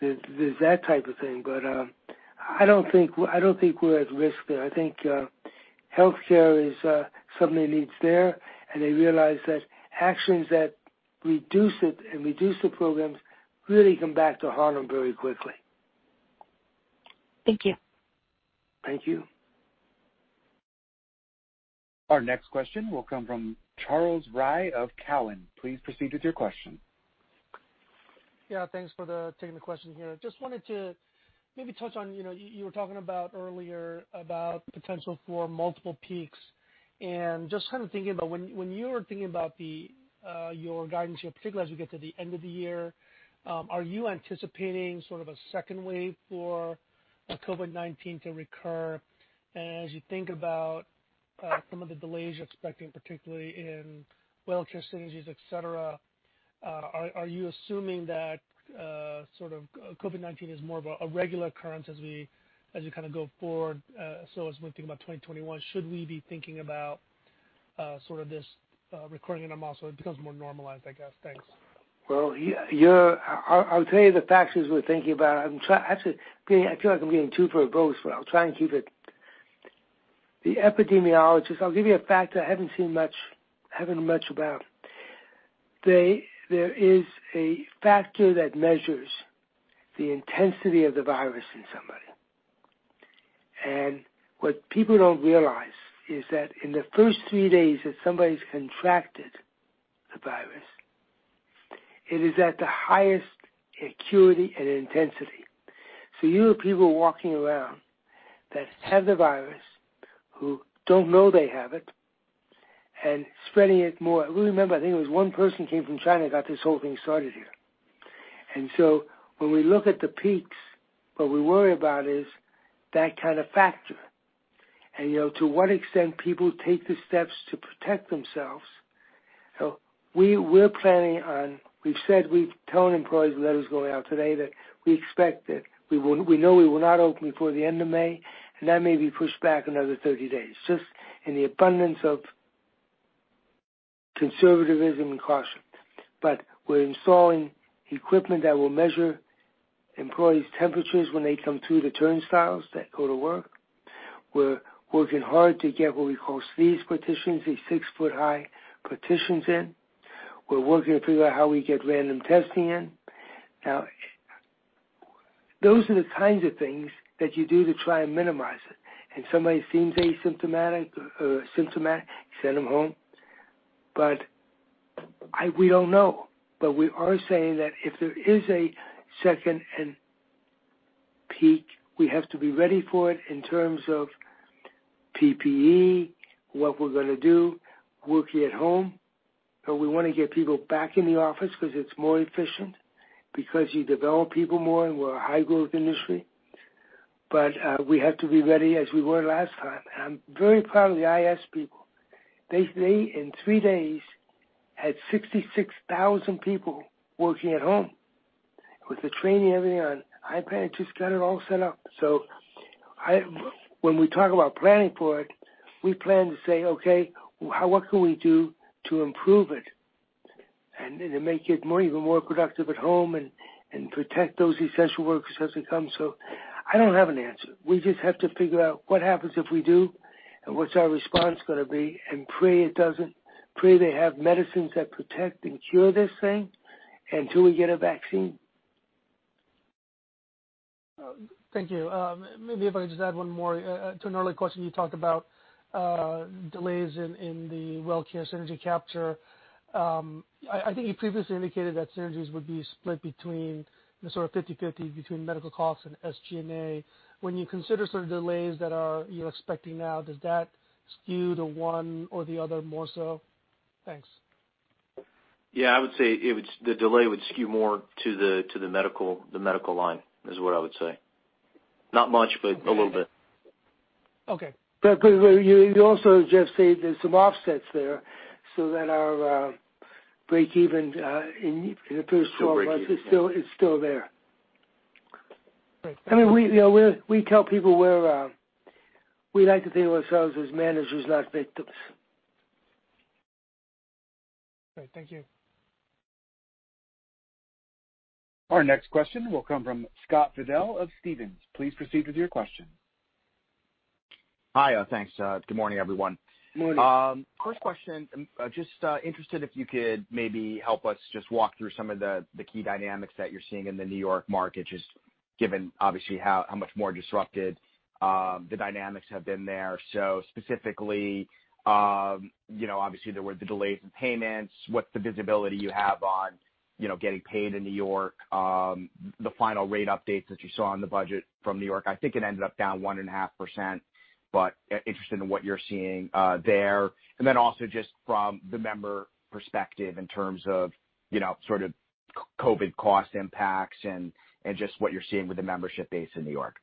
there's that type of thing. I don't think we're at risk there. I think healthcare is something that needs there, and they realize that actions that reduce it and reduce the programs really come back to haunt them very quickly. Thank you. Thank you. Our next question will come from Charles Rhyee of Cowen. Please proceed with your question. Yeah, thanks for taking the question here. Just wanted to maybe touch on, you were talking about earlier, about potential for multiple peaks. Just kind of thinking about when you were thinking about your guidance here, particularly as we get to the end of the year, are you anticipating sort of a second wave for COVID-19 to recur? As you think about some of the delays you're expecting, particularly in WellCare synergies, et cetera, are you assuming that sort of COVID-19 is more of a regular occurrence as you kind of go forward? As we think about 2021, should we be thinking about sort of this recurring, and I'm also, it becomes more normalized, I guess. Thanks. Well, I'll tell you the factors we're thinking about. Actually, I feel like I'm getting too verbose, but I'll try and keep it. The epidemiologists, I'll give you a factor I haven't heard much about. There is a factor that measures the intensity of the virus in somebody, and what people don't realize is that in the first three days that somebody's contracted the virus, it is at the highest acuity and intensity. You have people walking around that have the virus, who don't know they have it, and spreading it more. Remember, I think it was one person who came from China, got this whole thing started here. When we look at the peaks, what we worry about is that kind of factor, and to what extent people take the steps to protect themselves. We're planning on, we've said, we're telling employees, letters going out today, that we expect that, we know we will not open before the end of May, and that may be pushed back another 30 days, just in the abundance of conservativism and caution. We're installing equipment that will measure employees' temperatures when they come through the turnstiles that go to work. We're working hard to get what we call sneeze partitions, these 6 ft high partitions in. We're working to figure out how we get random testing in. Those are the kinds of things that you do to try and minimize it. Somebody seems asymptomatic, send them home. We don't know. We are saying that if there is a second peak, we have to be ready for it in terms of PPE, what we're going to do, working at home. We want to get people back in the office because it's more efficient, because you develop people more, and we're a high-growth industry. We have to be ready as we were last time. I'm very proud of the IS people. They, in three days, had 66,000 people working at home with the training and everything on iPad, just got it all set up. When we talk about planning for it, we plan to say, "Okay, what can we do to improve it?" To make it even more productive at home and protect those essential workers as they come. I don't have an answer. We just have to figure out what happens if we do, and what's our response going to be, and pray it doesn't, pray they have medicines that protect and cure this thing until we get a vaccine. Thank you. Maybe if I could just add one more. To an earlier question, you talked about delays in the WellCare synergy capture. I think you previously indicated that synergies would be split between the sort of 50/50 between medical costs and SG&A. When you consider sort of delays that you're expecting now, does that skew the one or the other more so? Thanks. Yeah, I would say the delay would skew more to the medical line, is what I would say. Not much, but a little bit. Okay. You also just said there's some offsets there, so that our break-even in the first 12 months- Still break even. is still there. Great. We tell people we like to think of ourselves as managers, not victims. Great. Thank you. Our next question will come from Scott Fidel of Stephens. Please proceed with your question. Hi. Thanks. Good morning, everyone. Morning. First question, just interested if you could maybe help us just walk through some of the key dynamics that you're seeing in the New York market, just given obviously how much more disrupted the dynamics have been there. Specifically, obviously there were the delays in payments. What's the visibility you have on getting paid in New York? The final rate updates that you saw on the budget from New York, I think it ended up down 1.5%, but interested in what you're seeing there. Also just from the member perspective in terms of sort of COVID cost impacts and just what you're seeing with the membership base in New York.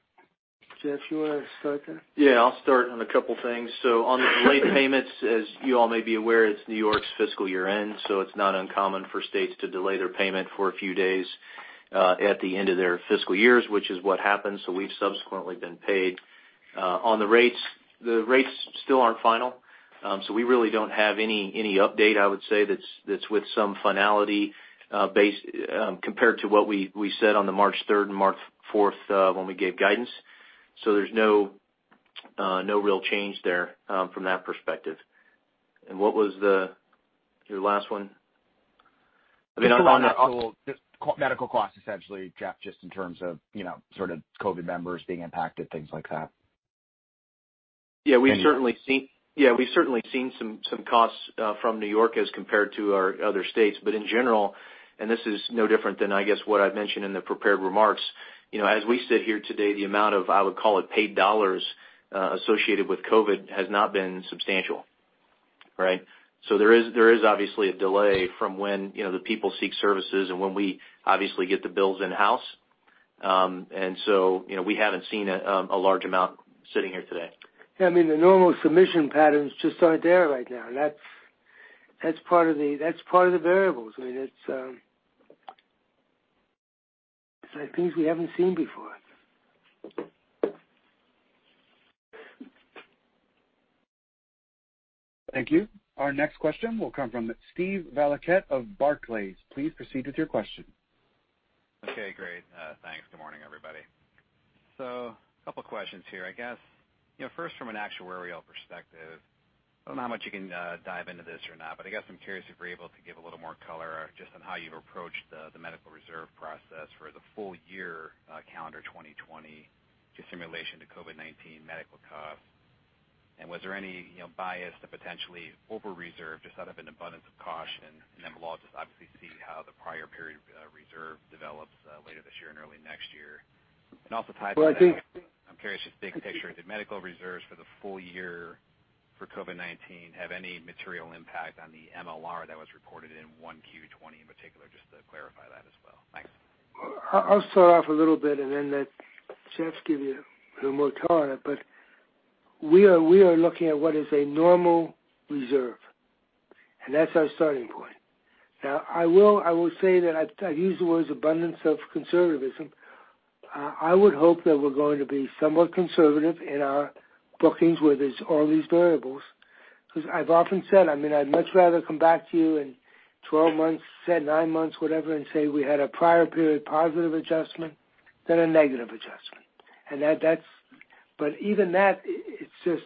Jeff, you want to start that? Yeah, I'll start on a couple things. On the late payments, as you all may be aware, it's New York's fiscal year-end, it's not uncommon for states to delay their payment for a few days. At the end of their fiscal years, which is what happened, we've subsequently been paid. On the rates, the rates still aren't final, we really don't have any update, I would say that's with some finality compared to what we said on the March 3rd and March 4th when we gave guidance. There's no real change there from that perspective. What was your last one? Just around the medical cost essentially, Jeff, just in terms of sort of COVID members being impacted, things like that. Yeah, we've certainly seen some costs from New York as compared to our other states. In general, and this is no different than, I guess, what I've mentioned in the prepared remarks. As we sit here today, the amount of, I would call it, paid dollars associated with COVID has not been substantial. Right? There is obviously a delay from when the people seek services and when we obviously get the bills in-house. We haven't seen a large amount sitting here today. Yeah, the normal submission patterns just aren't there right now, and that's part of the variables. I mean, it's things we haven't seen before. Thank you. Our next question will come from Steve Valiquette of Barclays. Please proceed with your question. Okay, great. Thanks. Good morning, everybody. A couple questions here. I guess, first from an actuarial perspective, I don't know how much you can dive into this or not, but I guess I'm curious if you're able to give a little more color just on how you've approached the medical reserve process for the full year calendar 2020 just in relation to COVID-19 medical costs. Was there any bias to potentially over-reserve, just out of an abundance of caution, and then we'll all just obviously see how the prior period reserve develops later this year and early next year. Well. I'm curious, just big picture, did medical reserves for the full year for COVID-19 have any material impact on the MLR that was reported in 1Q 2020 in particular, just to clarify that as well? Thanks. I'll start off a little bit, and then let Jeff give you a little more color on it. We are looking at what is a normal reserve, and that's our starting point. Now, I will say that I've used the words abundance of conservatism. I would hope that we're going to be somewhat conservative in our bookings where there's all these variables, because I've often said, I'd much rather come back to you in 12 months, say, nine months, whatever, and say we had a prior period positive adjustment than a negative adjustment. Even that, it's just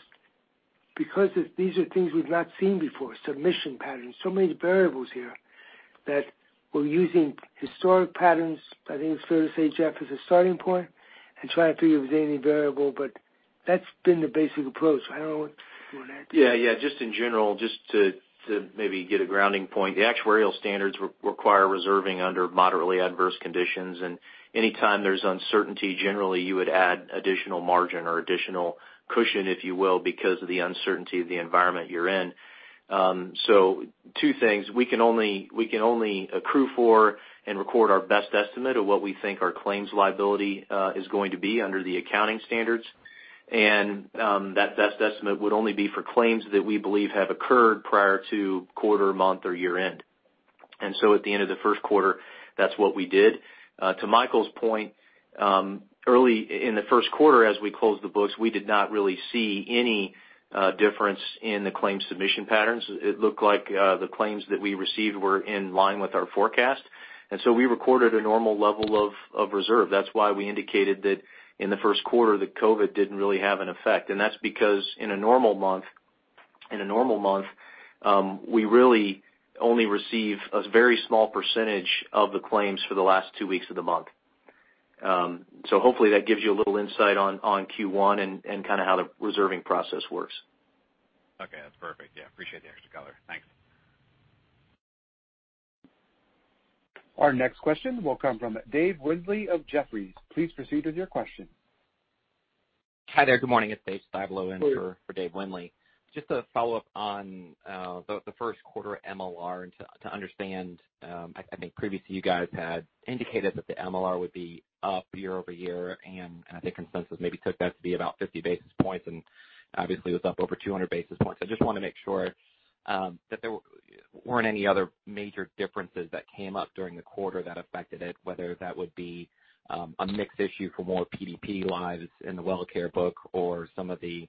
because these are things we've not seen before, submission patterns, so many variables here that we're using historic patterns, I think it's fair to say, Jeff, as a starting point, and trying to figure if there's any variable, but that's been the basic approach. I don't know what you want to add to that. Yeah. Just in general, just to maybe get a grounding point, the actuarial standards require reserving under moderately adverse conditions, and anytime there's uncertainty, generally you would add additional margin or additional cushion, if you will, because of the uncertainty of the environment you're in. Two things: we can only accrue for and record our best estimate of what we think our claims liability is going to be under the accounting standards. That best estimate would only be for claims that we believe have occurred prior to quarter, month, or year-end. At the end of the first quarter, that's what we did. To Michael's point, early in the first quarter, as we closed the books, we did not really see any difference in the claims submission patterns. It looked like the claims that we received were in line with our forecast. We recorded a normal level of reserve. That's why we indicated that in the first quarter that COVID didn't really have an effect, and that's because in a normal month, we really only receive a very small percentage of the claims for the last two weeks of the month. Hopefully that gives you a little insight on Q1 and kind of how the reserving process works. Okay, that's perfect. Yeah, appreciate the extra color. Thanks. Our next question will come from Dave Windley of Jefferies. Please proceed with your question. Hi there. Good morning. It's David Styblo in for Dave Windley. Just a follow-up on the first quarter MLR, and to understand, I think previously you guys had indicated that the MLR would be up year-over-year, and I think consensus maybe took that to be about 50 basis points, and obviously was up over 200 basis points. I just want to make sure that there weren't any other major differences that came up during the quarter that affected it, whether that would be a mix issue for more PDP lives in the WellCare book or some of the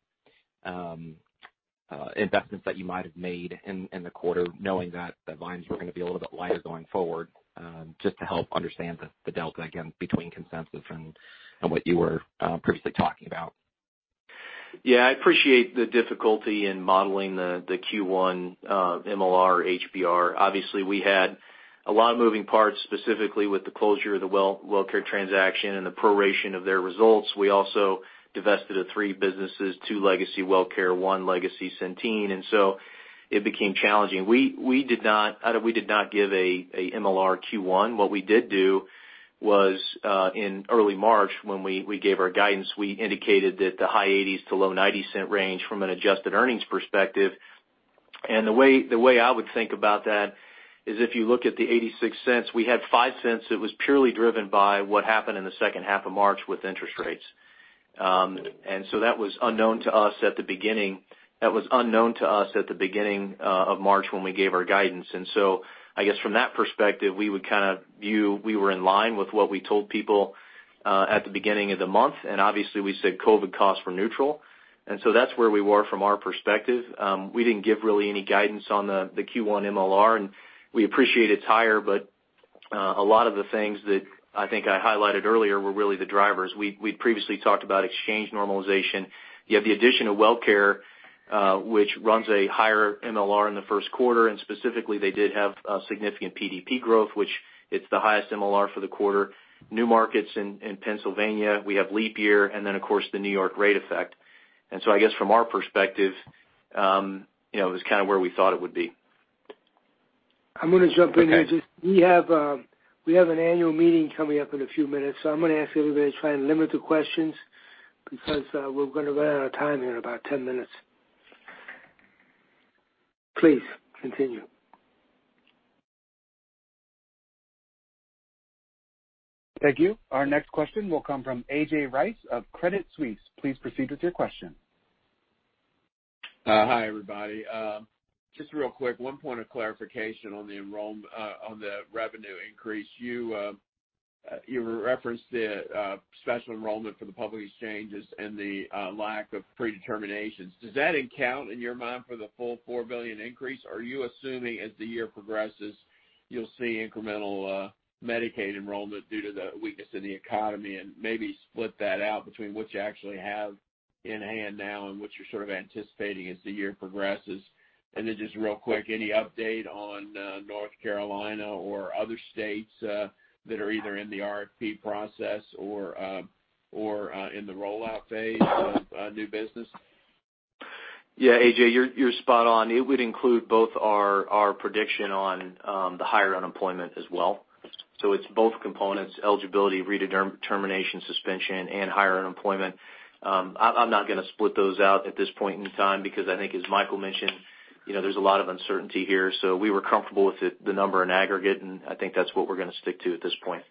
investments that you might have made in the quarter knowing that the lines were going to be a little bit lighter going forward, just to help understand the delta, again, between consensus and what you were previously talking about. Yeah, I appreciate the difficulty in modeling the Q1 MLR, HBR. Obviously, we had a lot of moving parts, specifically with the closure of the WellCare transaction and the proration of their results. We also divested of three businesses, two legacy WellCare, one legacy Centene, and so it became challenging. We did not give a MLR Q1. What we did do was, in early March when we gave our guidance, we indicated that the high $0.80s to low $0.90 range from an adjusted earnings perspective and the way I would think about that is if you look at $0.86 we have $0.05 it was purely driven by what happen in the second half of March with interest rates. That was unknown to us at the beginning of March when we gave our guidance. I guess from that perspective, we would view we were in line with what we told people at the beginning of the month, and obviously we said COVID costs were neutral. That's where we were from our perspective. We didn't give really any guidance on the Q1 MLR, and we appreciate it's higher, but a lot of the things that I think I highlighted earlier were really the drivers. We'd previously talked about exchange normalization. You have the addition of WellCare, which runs a higher MLR in the first quarter, and specifically, they did have a significant PDP growth, which it's the highest MLR for the quarter. New markets in Pennsylvania, we have leap year, and then of course the New York rate effect. I guess from our perspective, it was kind of where we thought it would be. I'm going to jump in here. Okay. We have an annual meeting coming up in a few minutes, so I'm going to ask everybody to try and limit the questions because we're going to run out of time here in about 10 minutes. Please continue. Thank you. Our next question will come from A.J. Rice of Credit Suisse. Please proceed with your question. Hi, everybody. Just real quick, one point of clarification on the revenue increase. You referenced the special enrollment for the public exchanges and the lack of predeterminations. Does that count in your mind for the full $4 billion increase, or are you assuming as the year progresses, you'll see incremental Medicaid enrollment due to the weakness in the economy? Maybe split that out between what you actually have in hand now and what you're sort of anticipating as the year progresses. Then just real quick, any update on North Carolina or other states that are either in the RFP process or in the rollout phase of new business? Yeah. A.J., you're spot on. It would include both our prediction on the higher unemployment as well. It's both components, eligibility, redetermination suspension, and higher unemployment. I'm not going to split those out at this point in time because I think as Michael mentioned, there's a lot of uncertainty here. We were comfortable with the number in aggregate, and I think that's what we're going to stick to at this point.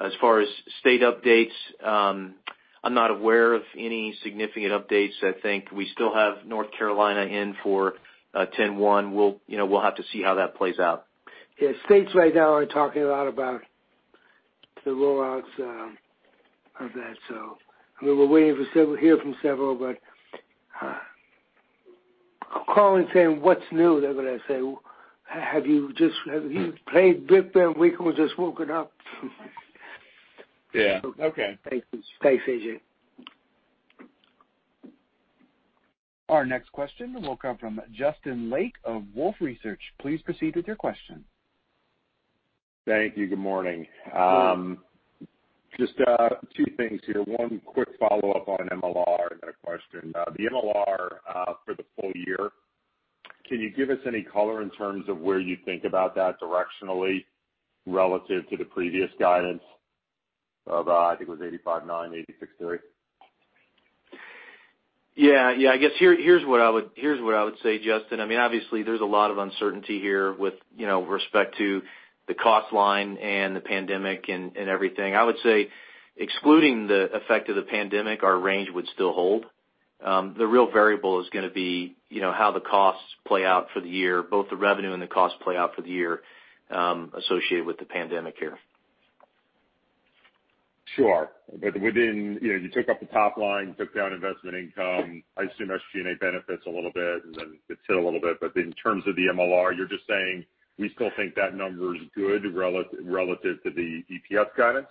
As far as state updates, I'm not aware of any significant updates. I think we still have North Carolina in for 10/1. We'll have to see how that plays out. Yeah, states right now are talking a lot about the rollouts of that. We were waiting to hear from several. Calling, saying, "What's new?" They're going to say, "Have you played cricket and we've just woken up? Yeah. Okay. Thanks, A.J. Our next question will come from Justin Lake of Wolfe Research. Please proceed with your question. Thank you. Good morning. Good morning. Just two things here. One quick follow-up on MLR question. The MLR for the full year, can you give us any color in terms of where you think about that directionally relative to the previous guidance of, I think it was 85.9%, 86.3%? I guess here's what I would say, Justin. Obviously, there's a lot of uncertainty here with respect to the cost line and the pandemic and everything. I would say excluding the effect of the pandemic, our range would still hold. The real variable is going to be how the costs play out for the year, both the revenue and the costs play out for the year, associated with the pandemic here. Sure. You took up the top line, took down investment income. I assume SG&A benefits a little bit, it's hit a little bit. In terms of the MLR, you're just saying we still think that number is good relative to the EPS guidance?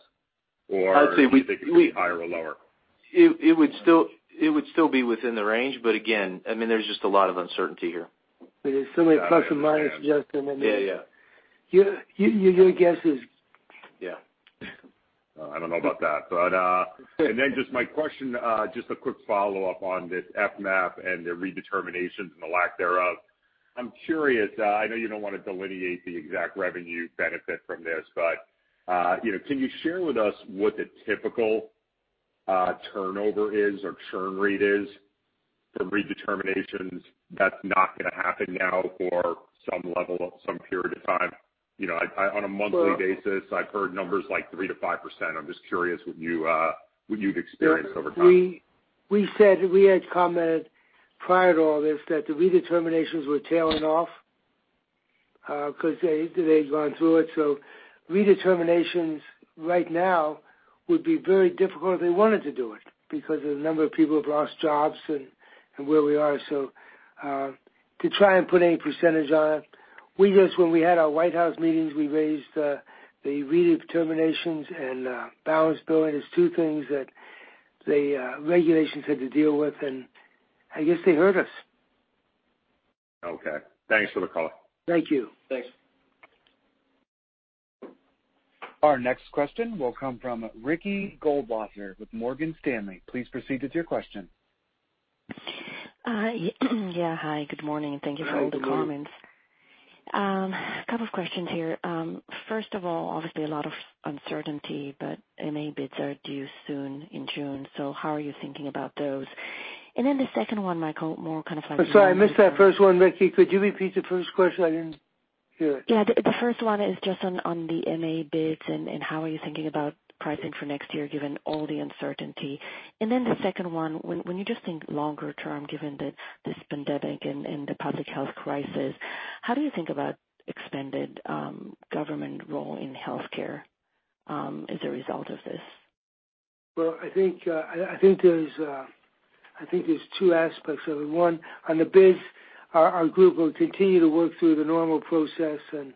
I'd say we- Do you think it could be higher or lower? It would still be within the range, but again, there's just a lot of uncertainty here. There's so many plus and minus, Justin. Yeah. Your guess is Yeah. I don't know about that. Then just my question, just a quick follow-up on this FMAP and the redeterminations and the lack thereof. I'm curious, I know you don't want to delineate the exact revenue benefit from this, but can you share with us what the typical turnover is or churn rate is for redeterminations that's not going to happen now for some level, some period of time? On a monthly basis, I've heard numbers like 3%-5%. I'm just curious what you've experienced over time. We had commented prior to all this that the redeterminations were tailing off because they'd gone through it. Redeterminations right now would be very difficult if they wanted to do it because of the number of people who've lost jobs and where we are. To try and put any percentage on it. When we had our White House meetings, we raised the redeterminations and balance billing as two things that the regulations had to deal with, and I guess they heard us. Okay. Thanks for the color. Thank you. Thanks. Our next question will come from Ricky Goldwasser with Morgan Stanley. Please proceed with your question. Yeah. Hi, good morning and thank you for all the comments. Hi, good morning. A couple of questions here. First of all, obviously a lot of uncertainty, but MA bids are due soon in June. How are you thinking about those? The second one, Michael, more kind of. I'm sorry, I missed that first one, Ricky. Could you repeat the first question? I didn't. Yeah. The first one is just on the MA bids and how are you thinking about pricing for next year, given all the uncertainty. The second one, when you just think longer term, given this pandemic and the public health crisis, how do you think about expanded government role in healthcare as a result of this? I think there's two aspects of it. One, on the bids, our group will continue to work through the normal process, and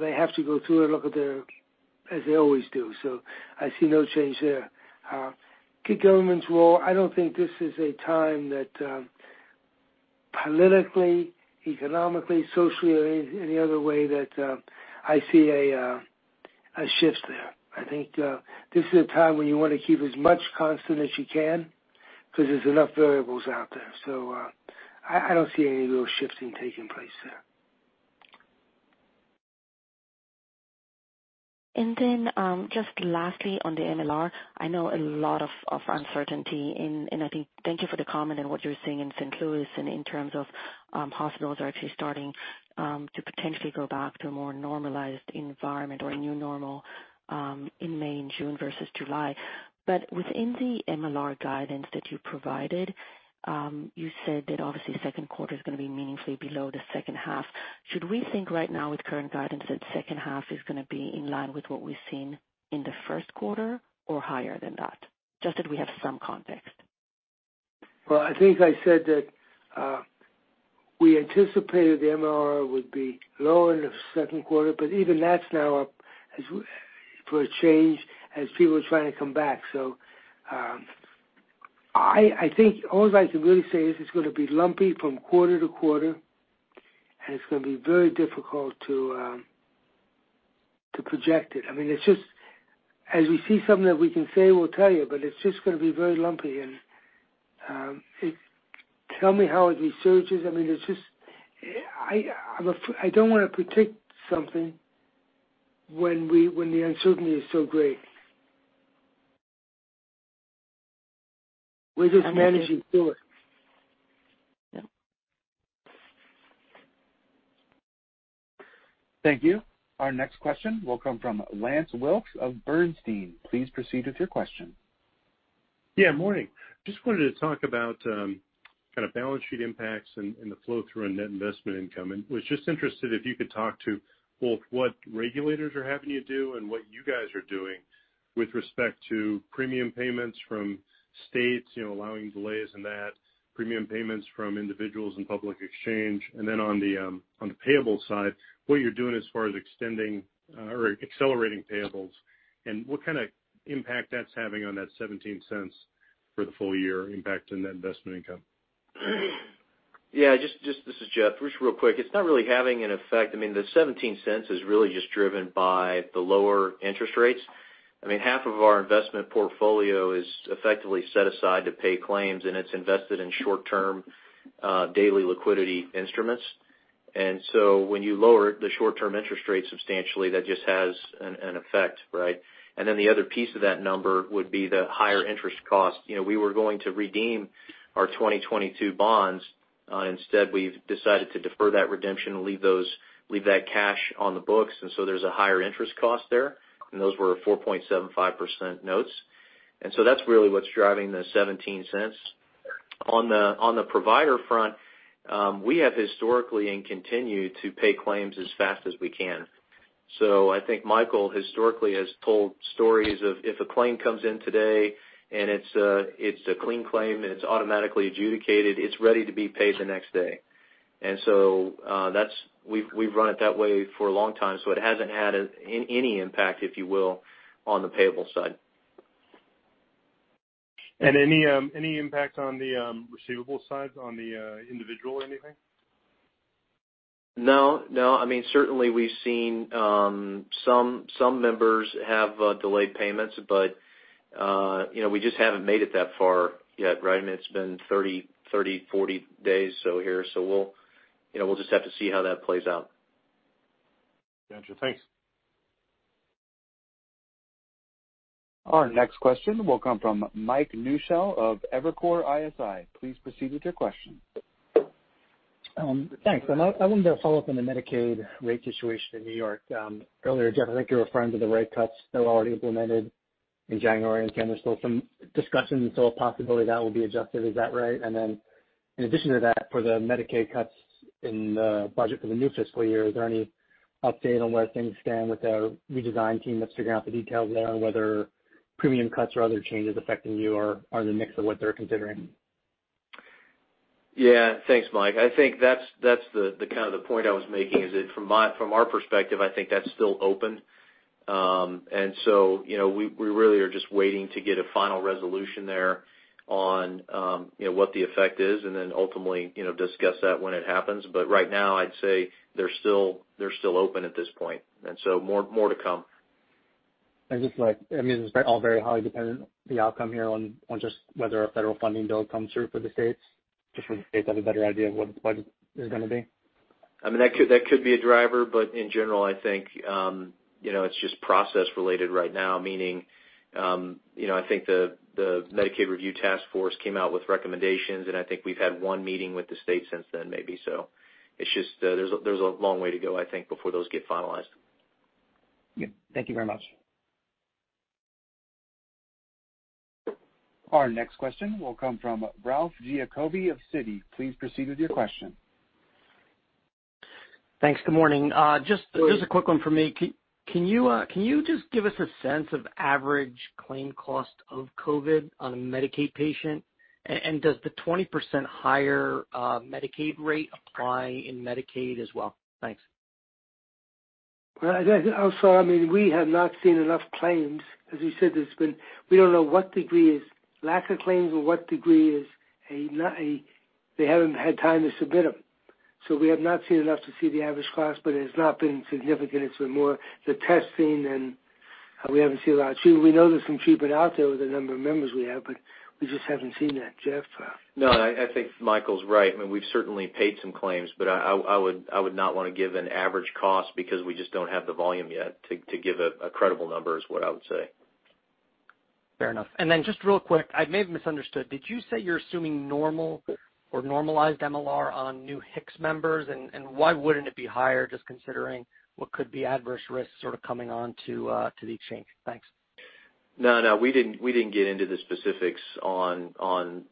they have to go through and look at their, as they always do. I see no change there. Government's role, I don't think this is a time that politically, economically, socially, or any other way that I see a shift there. I think this is a time when you want to keep as much constant as you can because there's enough variables out there. I don't see any real shifts being taking place there. Just lastly on the MLR, I know a lot of uncertainty, and thank you for the comment on what you're seeing in St. Louis and in terms of hospitals are actually starting to potentially go back to a more normalized environment or a new normal in May and June versus July. Within the MLR guidance that you provided, you said that obviously second quarter is going to be meaningfully below the second half. Should we think right now with current guidance that second half is going to be in line with what we've seen in the first quarter or higher than that? Just that we have some context. I think I said that we anticipated the MLR would be low in the second quarter, but even that's now up for a change as people are trying to come back. I think all I can really say is it's going to be lumpy from quarter to quarter, and it's going to be very difficult to project it. As we see something that we can say, we'll tell you, but it's just going to be very lumpy, and tell me how it resurges. I don't want to predict something when the uncertainty is so great. We're just managing through it. Yep. Thank you. Our next question will come from Lance Wilkes of Bernstein. Please proceed with your question. Morning. Just wanted to talk about kind of balance sheet impacts and the flow through on net investment income. Was just interested if you could talk to both what regulators are having you do and what you guys are doing with respect to premium payments from states, allowing delays in that, premium payments from individuals in public exchange, and then on the payable side, what you're doing as far as extending or accelerating payables, and what kind of impact that's having on that $0.17 for the full year impact on net investment income? Yeah. This is Jeff. Just real quick, it's not really having an effect. The $0.17 is really just driven by the lower interest rates. Half of our investment portfolio is effectively set aside to pay claims, and it's invested in short-term, daily liquidity instruments. When you lower the short-term interest rate substantially, that just has an effect, right? The other piece of that number would be the higher interest cost. We were going to redeem our 2022 bonds. Instead, we've decided to defer that redemption and leave that cash on the books, and so there's a higher interest cost there, and those were 4.75% notes. That's really what's driving the $0.17. On the provider front, we have historically and continue to pay claims as fast as we can. I think Michael historically has told stories of if a claim comes in today and it's a clean claim and it's automatically adjudicated, it's ready to be paid the next day. We've run it that way for a long time, so it hasn't had any impact, if you will, on the payable side. Any impact on the receivable side, on the individual or anything? No. Certainly, we've seen some members have delayed payments. We just haven't made it that far yet, right? It's been 30, 40 days here. We'll just have to see how that plays out. Got you. Thanks. Our next question will come from Mike Newshel of Evercore ISI. Please proceed with your question. Thanks. I wanted to follow up on the Medicaid rate situation in New York. Earlier, Jeff, I think you were referring to the rate cuts that were already implemented in January, and again, there's still some discussion and still a possibility that will be adjusted. Is that right? In addition to that, for the Medicaid cuts in the budget for the new fiscal year, is there any update on where things stand with the redesign team that's figuring out the details there on whether premium cuts or other changes affecting you are in the mix of what they're considering? Yeah. Thanks, Mike. I think that's the kind of the point I was making is that from our perspective, I think that's still open. We really are just waiting to get a final resolution there on what the effect is and then ultimately discuss that when it happens. Right now, I'd say they're still open at this point, and so more to come. Just like, is it all very highly dependent the outcome here on just whether a federal funding bill comes through for the states, just when the states have a better idea of what the budget is going to be? That could be a driver, but in general, I think it's just process related right now, meaning, I think the Medicaid review task force came out with recommendations, and I think we've had one meeting with the state since then, maybe so. There's a long way to go, I think, before those get finalized. Yeah. Thank you very much. Our next question will come from Ralph Giacobbe of Citi. Please proceed with your question. Thanks. Good morning. Just a quick one from me. Can you just give us a sense of average claim cost of COVID on a Medicaid patient? Does the 20% higher Medicaid rate apply in Medicaid as well? Thanks. Well, also, we have not seen enough claims. As you said, we don't know what degree is lack of claims or what degree is they haven't had time to submit them. We have not seen enough to see the average cost, but it has not been significant. It's been more the testing, and we haven't seen a lot of treatment. We know there's some treatment out there with the number of members we have, but we just haven't seen that. Jeff? No, I think Michael's right. I mean, we've certainly paid some claims, but I would not want to give an average cost because we just don't have the volume yet to give a credible number is what I would say. Fair enough. Just real quick, I may have misunderstood. Did you say you're assuming normal or normalized MLR on new HIX members? Why wouldn't it be higher just considering what could be adverse risks sort of coming on to the exchange? Thanks. No, we didn't get into the specifics on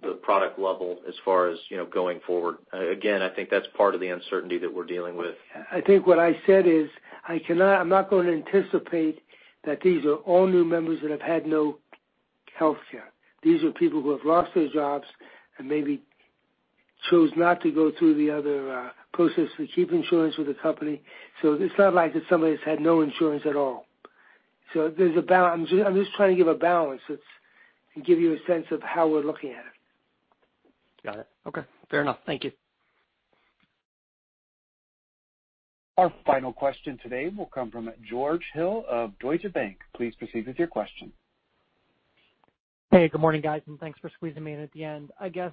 the product level as far as going forward. Again, I think that's part of the uncertainty that we're dealing with. I think what I said is, I'm not going to anticipate that these are all new members that have had no healthcare. These are people who have lost their jobs and maybe chose not to go through the other process to keep insurance with the company. It's not like it's somebody that's had no insurance at all. I'm just trying to give a balance, and give you a sense of how we're looking at it. Got it. Okay. Fair enough. Thank you. Our final question today will come from George Hill of Deutsche Bank. Please proceed with your question. Hey, good morning, guys, and thanks for squeezing me in at the end. I guess,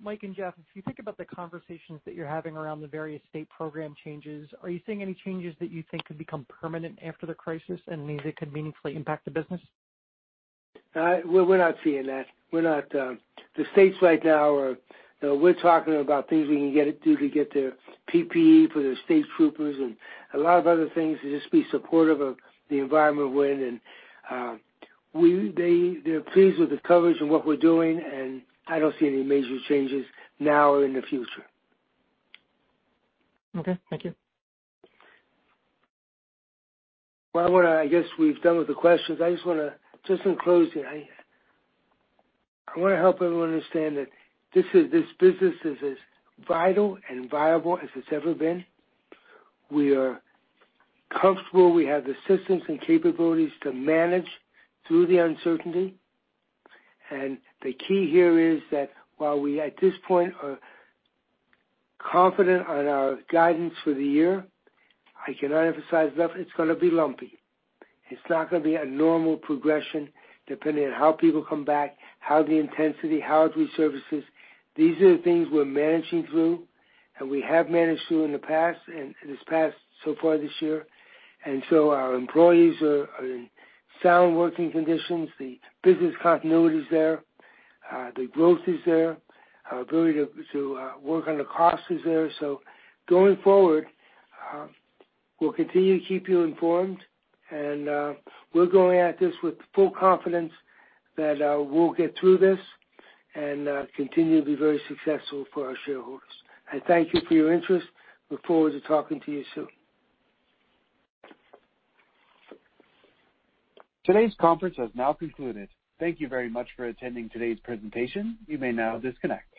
Mike and Jeff, if you think about the conversations that you're having around the various state program changes, are you seeing any changes that you think could become permanent after the crisis and means it could meaningfully impact the business? We're not seeing that. The states right now are talking about things we can do to get their PPE for the state troopers and a lot of other things to just be supportive of the environment we're in. They're pleased with the coverage and what we're doing, and I don't see any major changes now or in the future. Okay, thank you. Well, I guess we're done with the questions. Just in closing, I want to help everyone understand that this business is as vital and viable as it's ever been. We are comfortable. We have the systems and capabilities to manage through the uncertainty. The key here is that while we at this point are confident on our guidance for the year, I cannot emphasize enough, it's going to be lumpy. It's not going to be a normal progression, depending on how people come back, how the intensity, how we services. These are the things we're managing through, and we have managed through in the past, and this past so far this year. Our employees are in sound working conditions. The business continuity is there. The growth is there. Our ability to work on the cost is there. Going forward, we'll continue to keep you informed, and we're going at this with full confidence that we'll get through this and continue to be very successful for our shareholders. I thank you for your interest. Look forward to talking to you soon. Today's conference has now concluded. Thank you very much for attending today's presentation. You may now disconnect.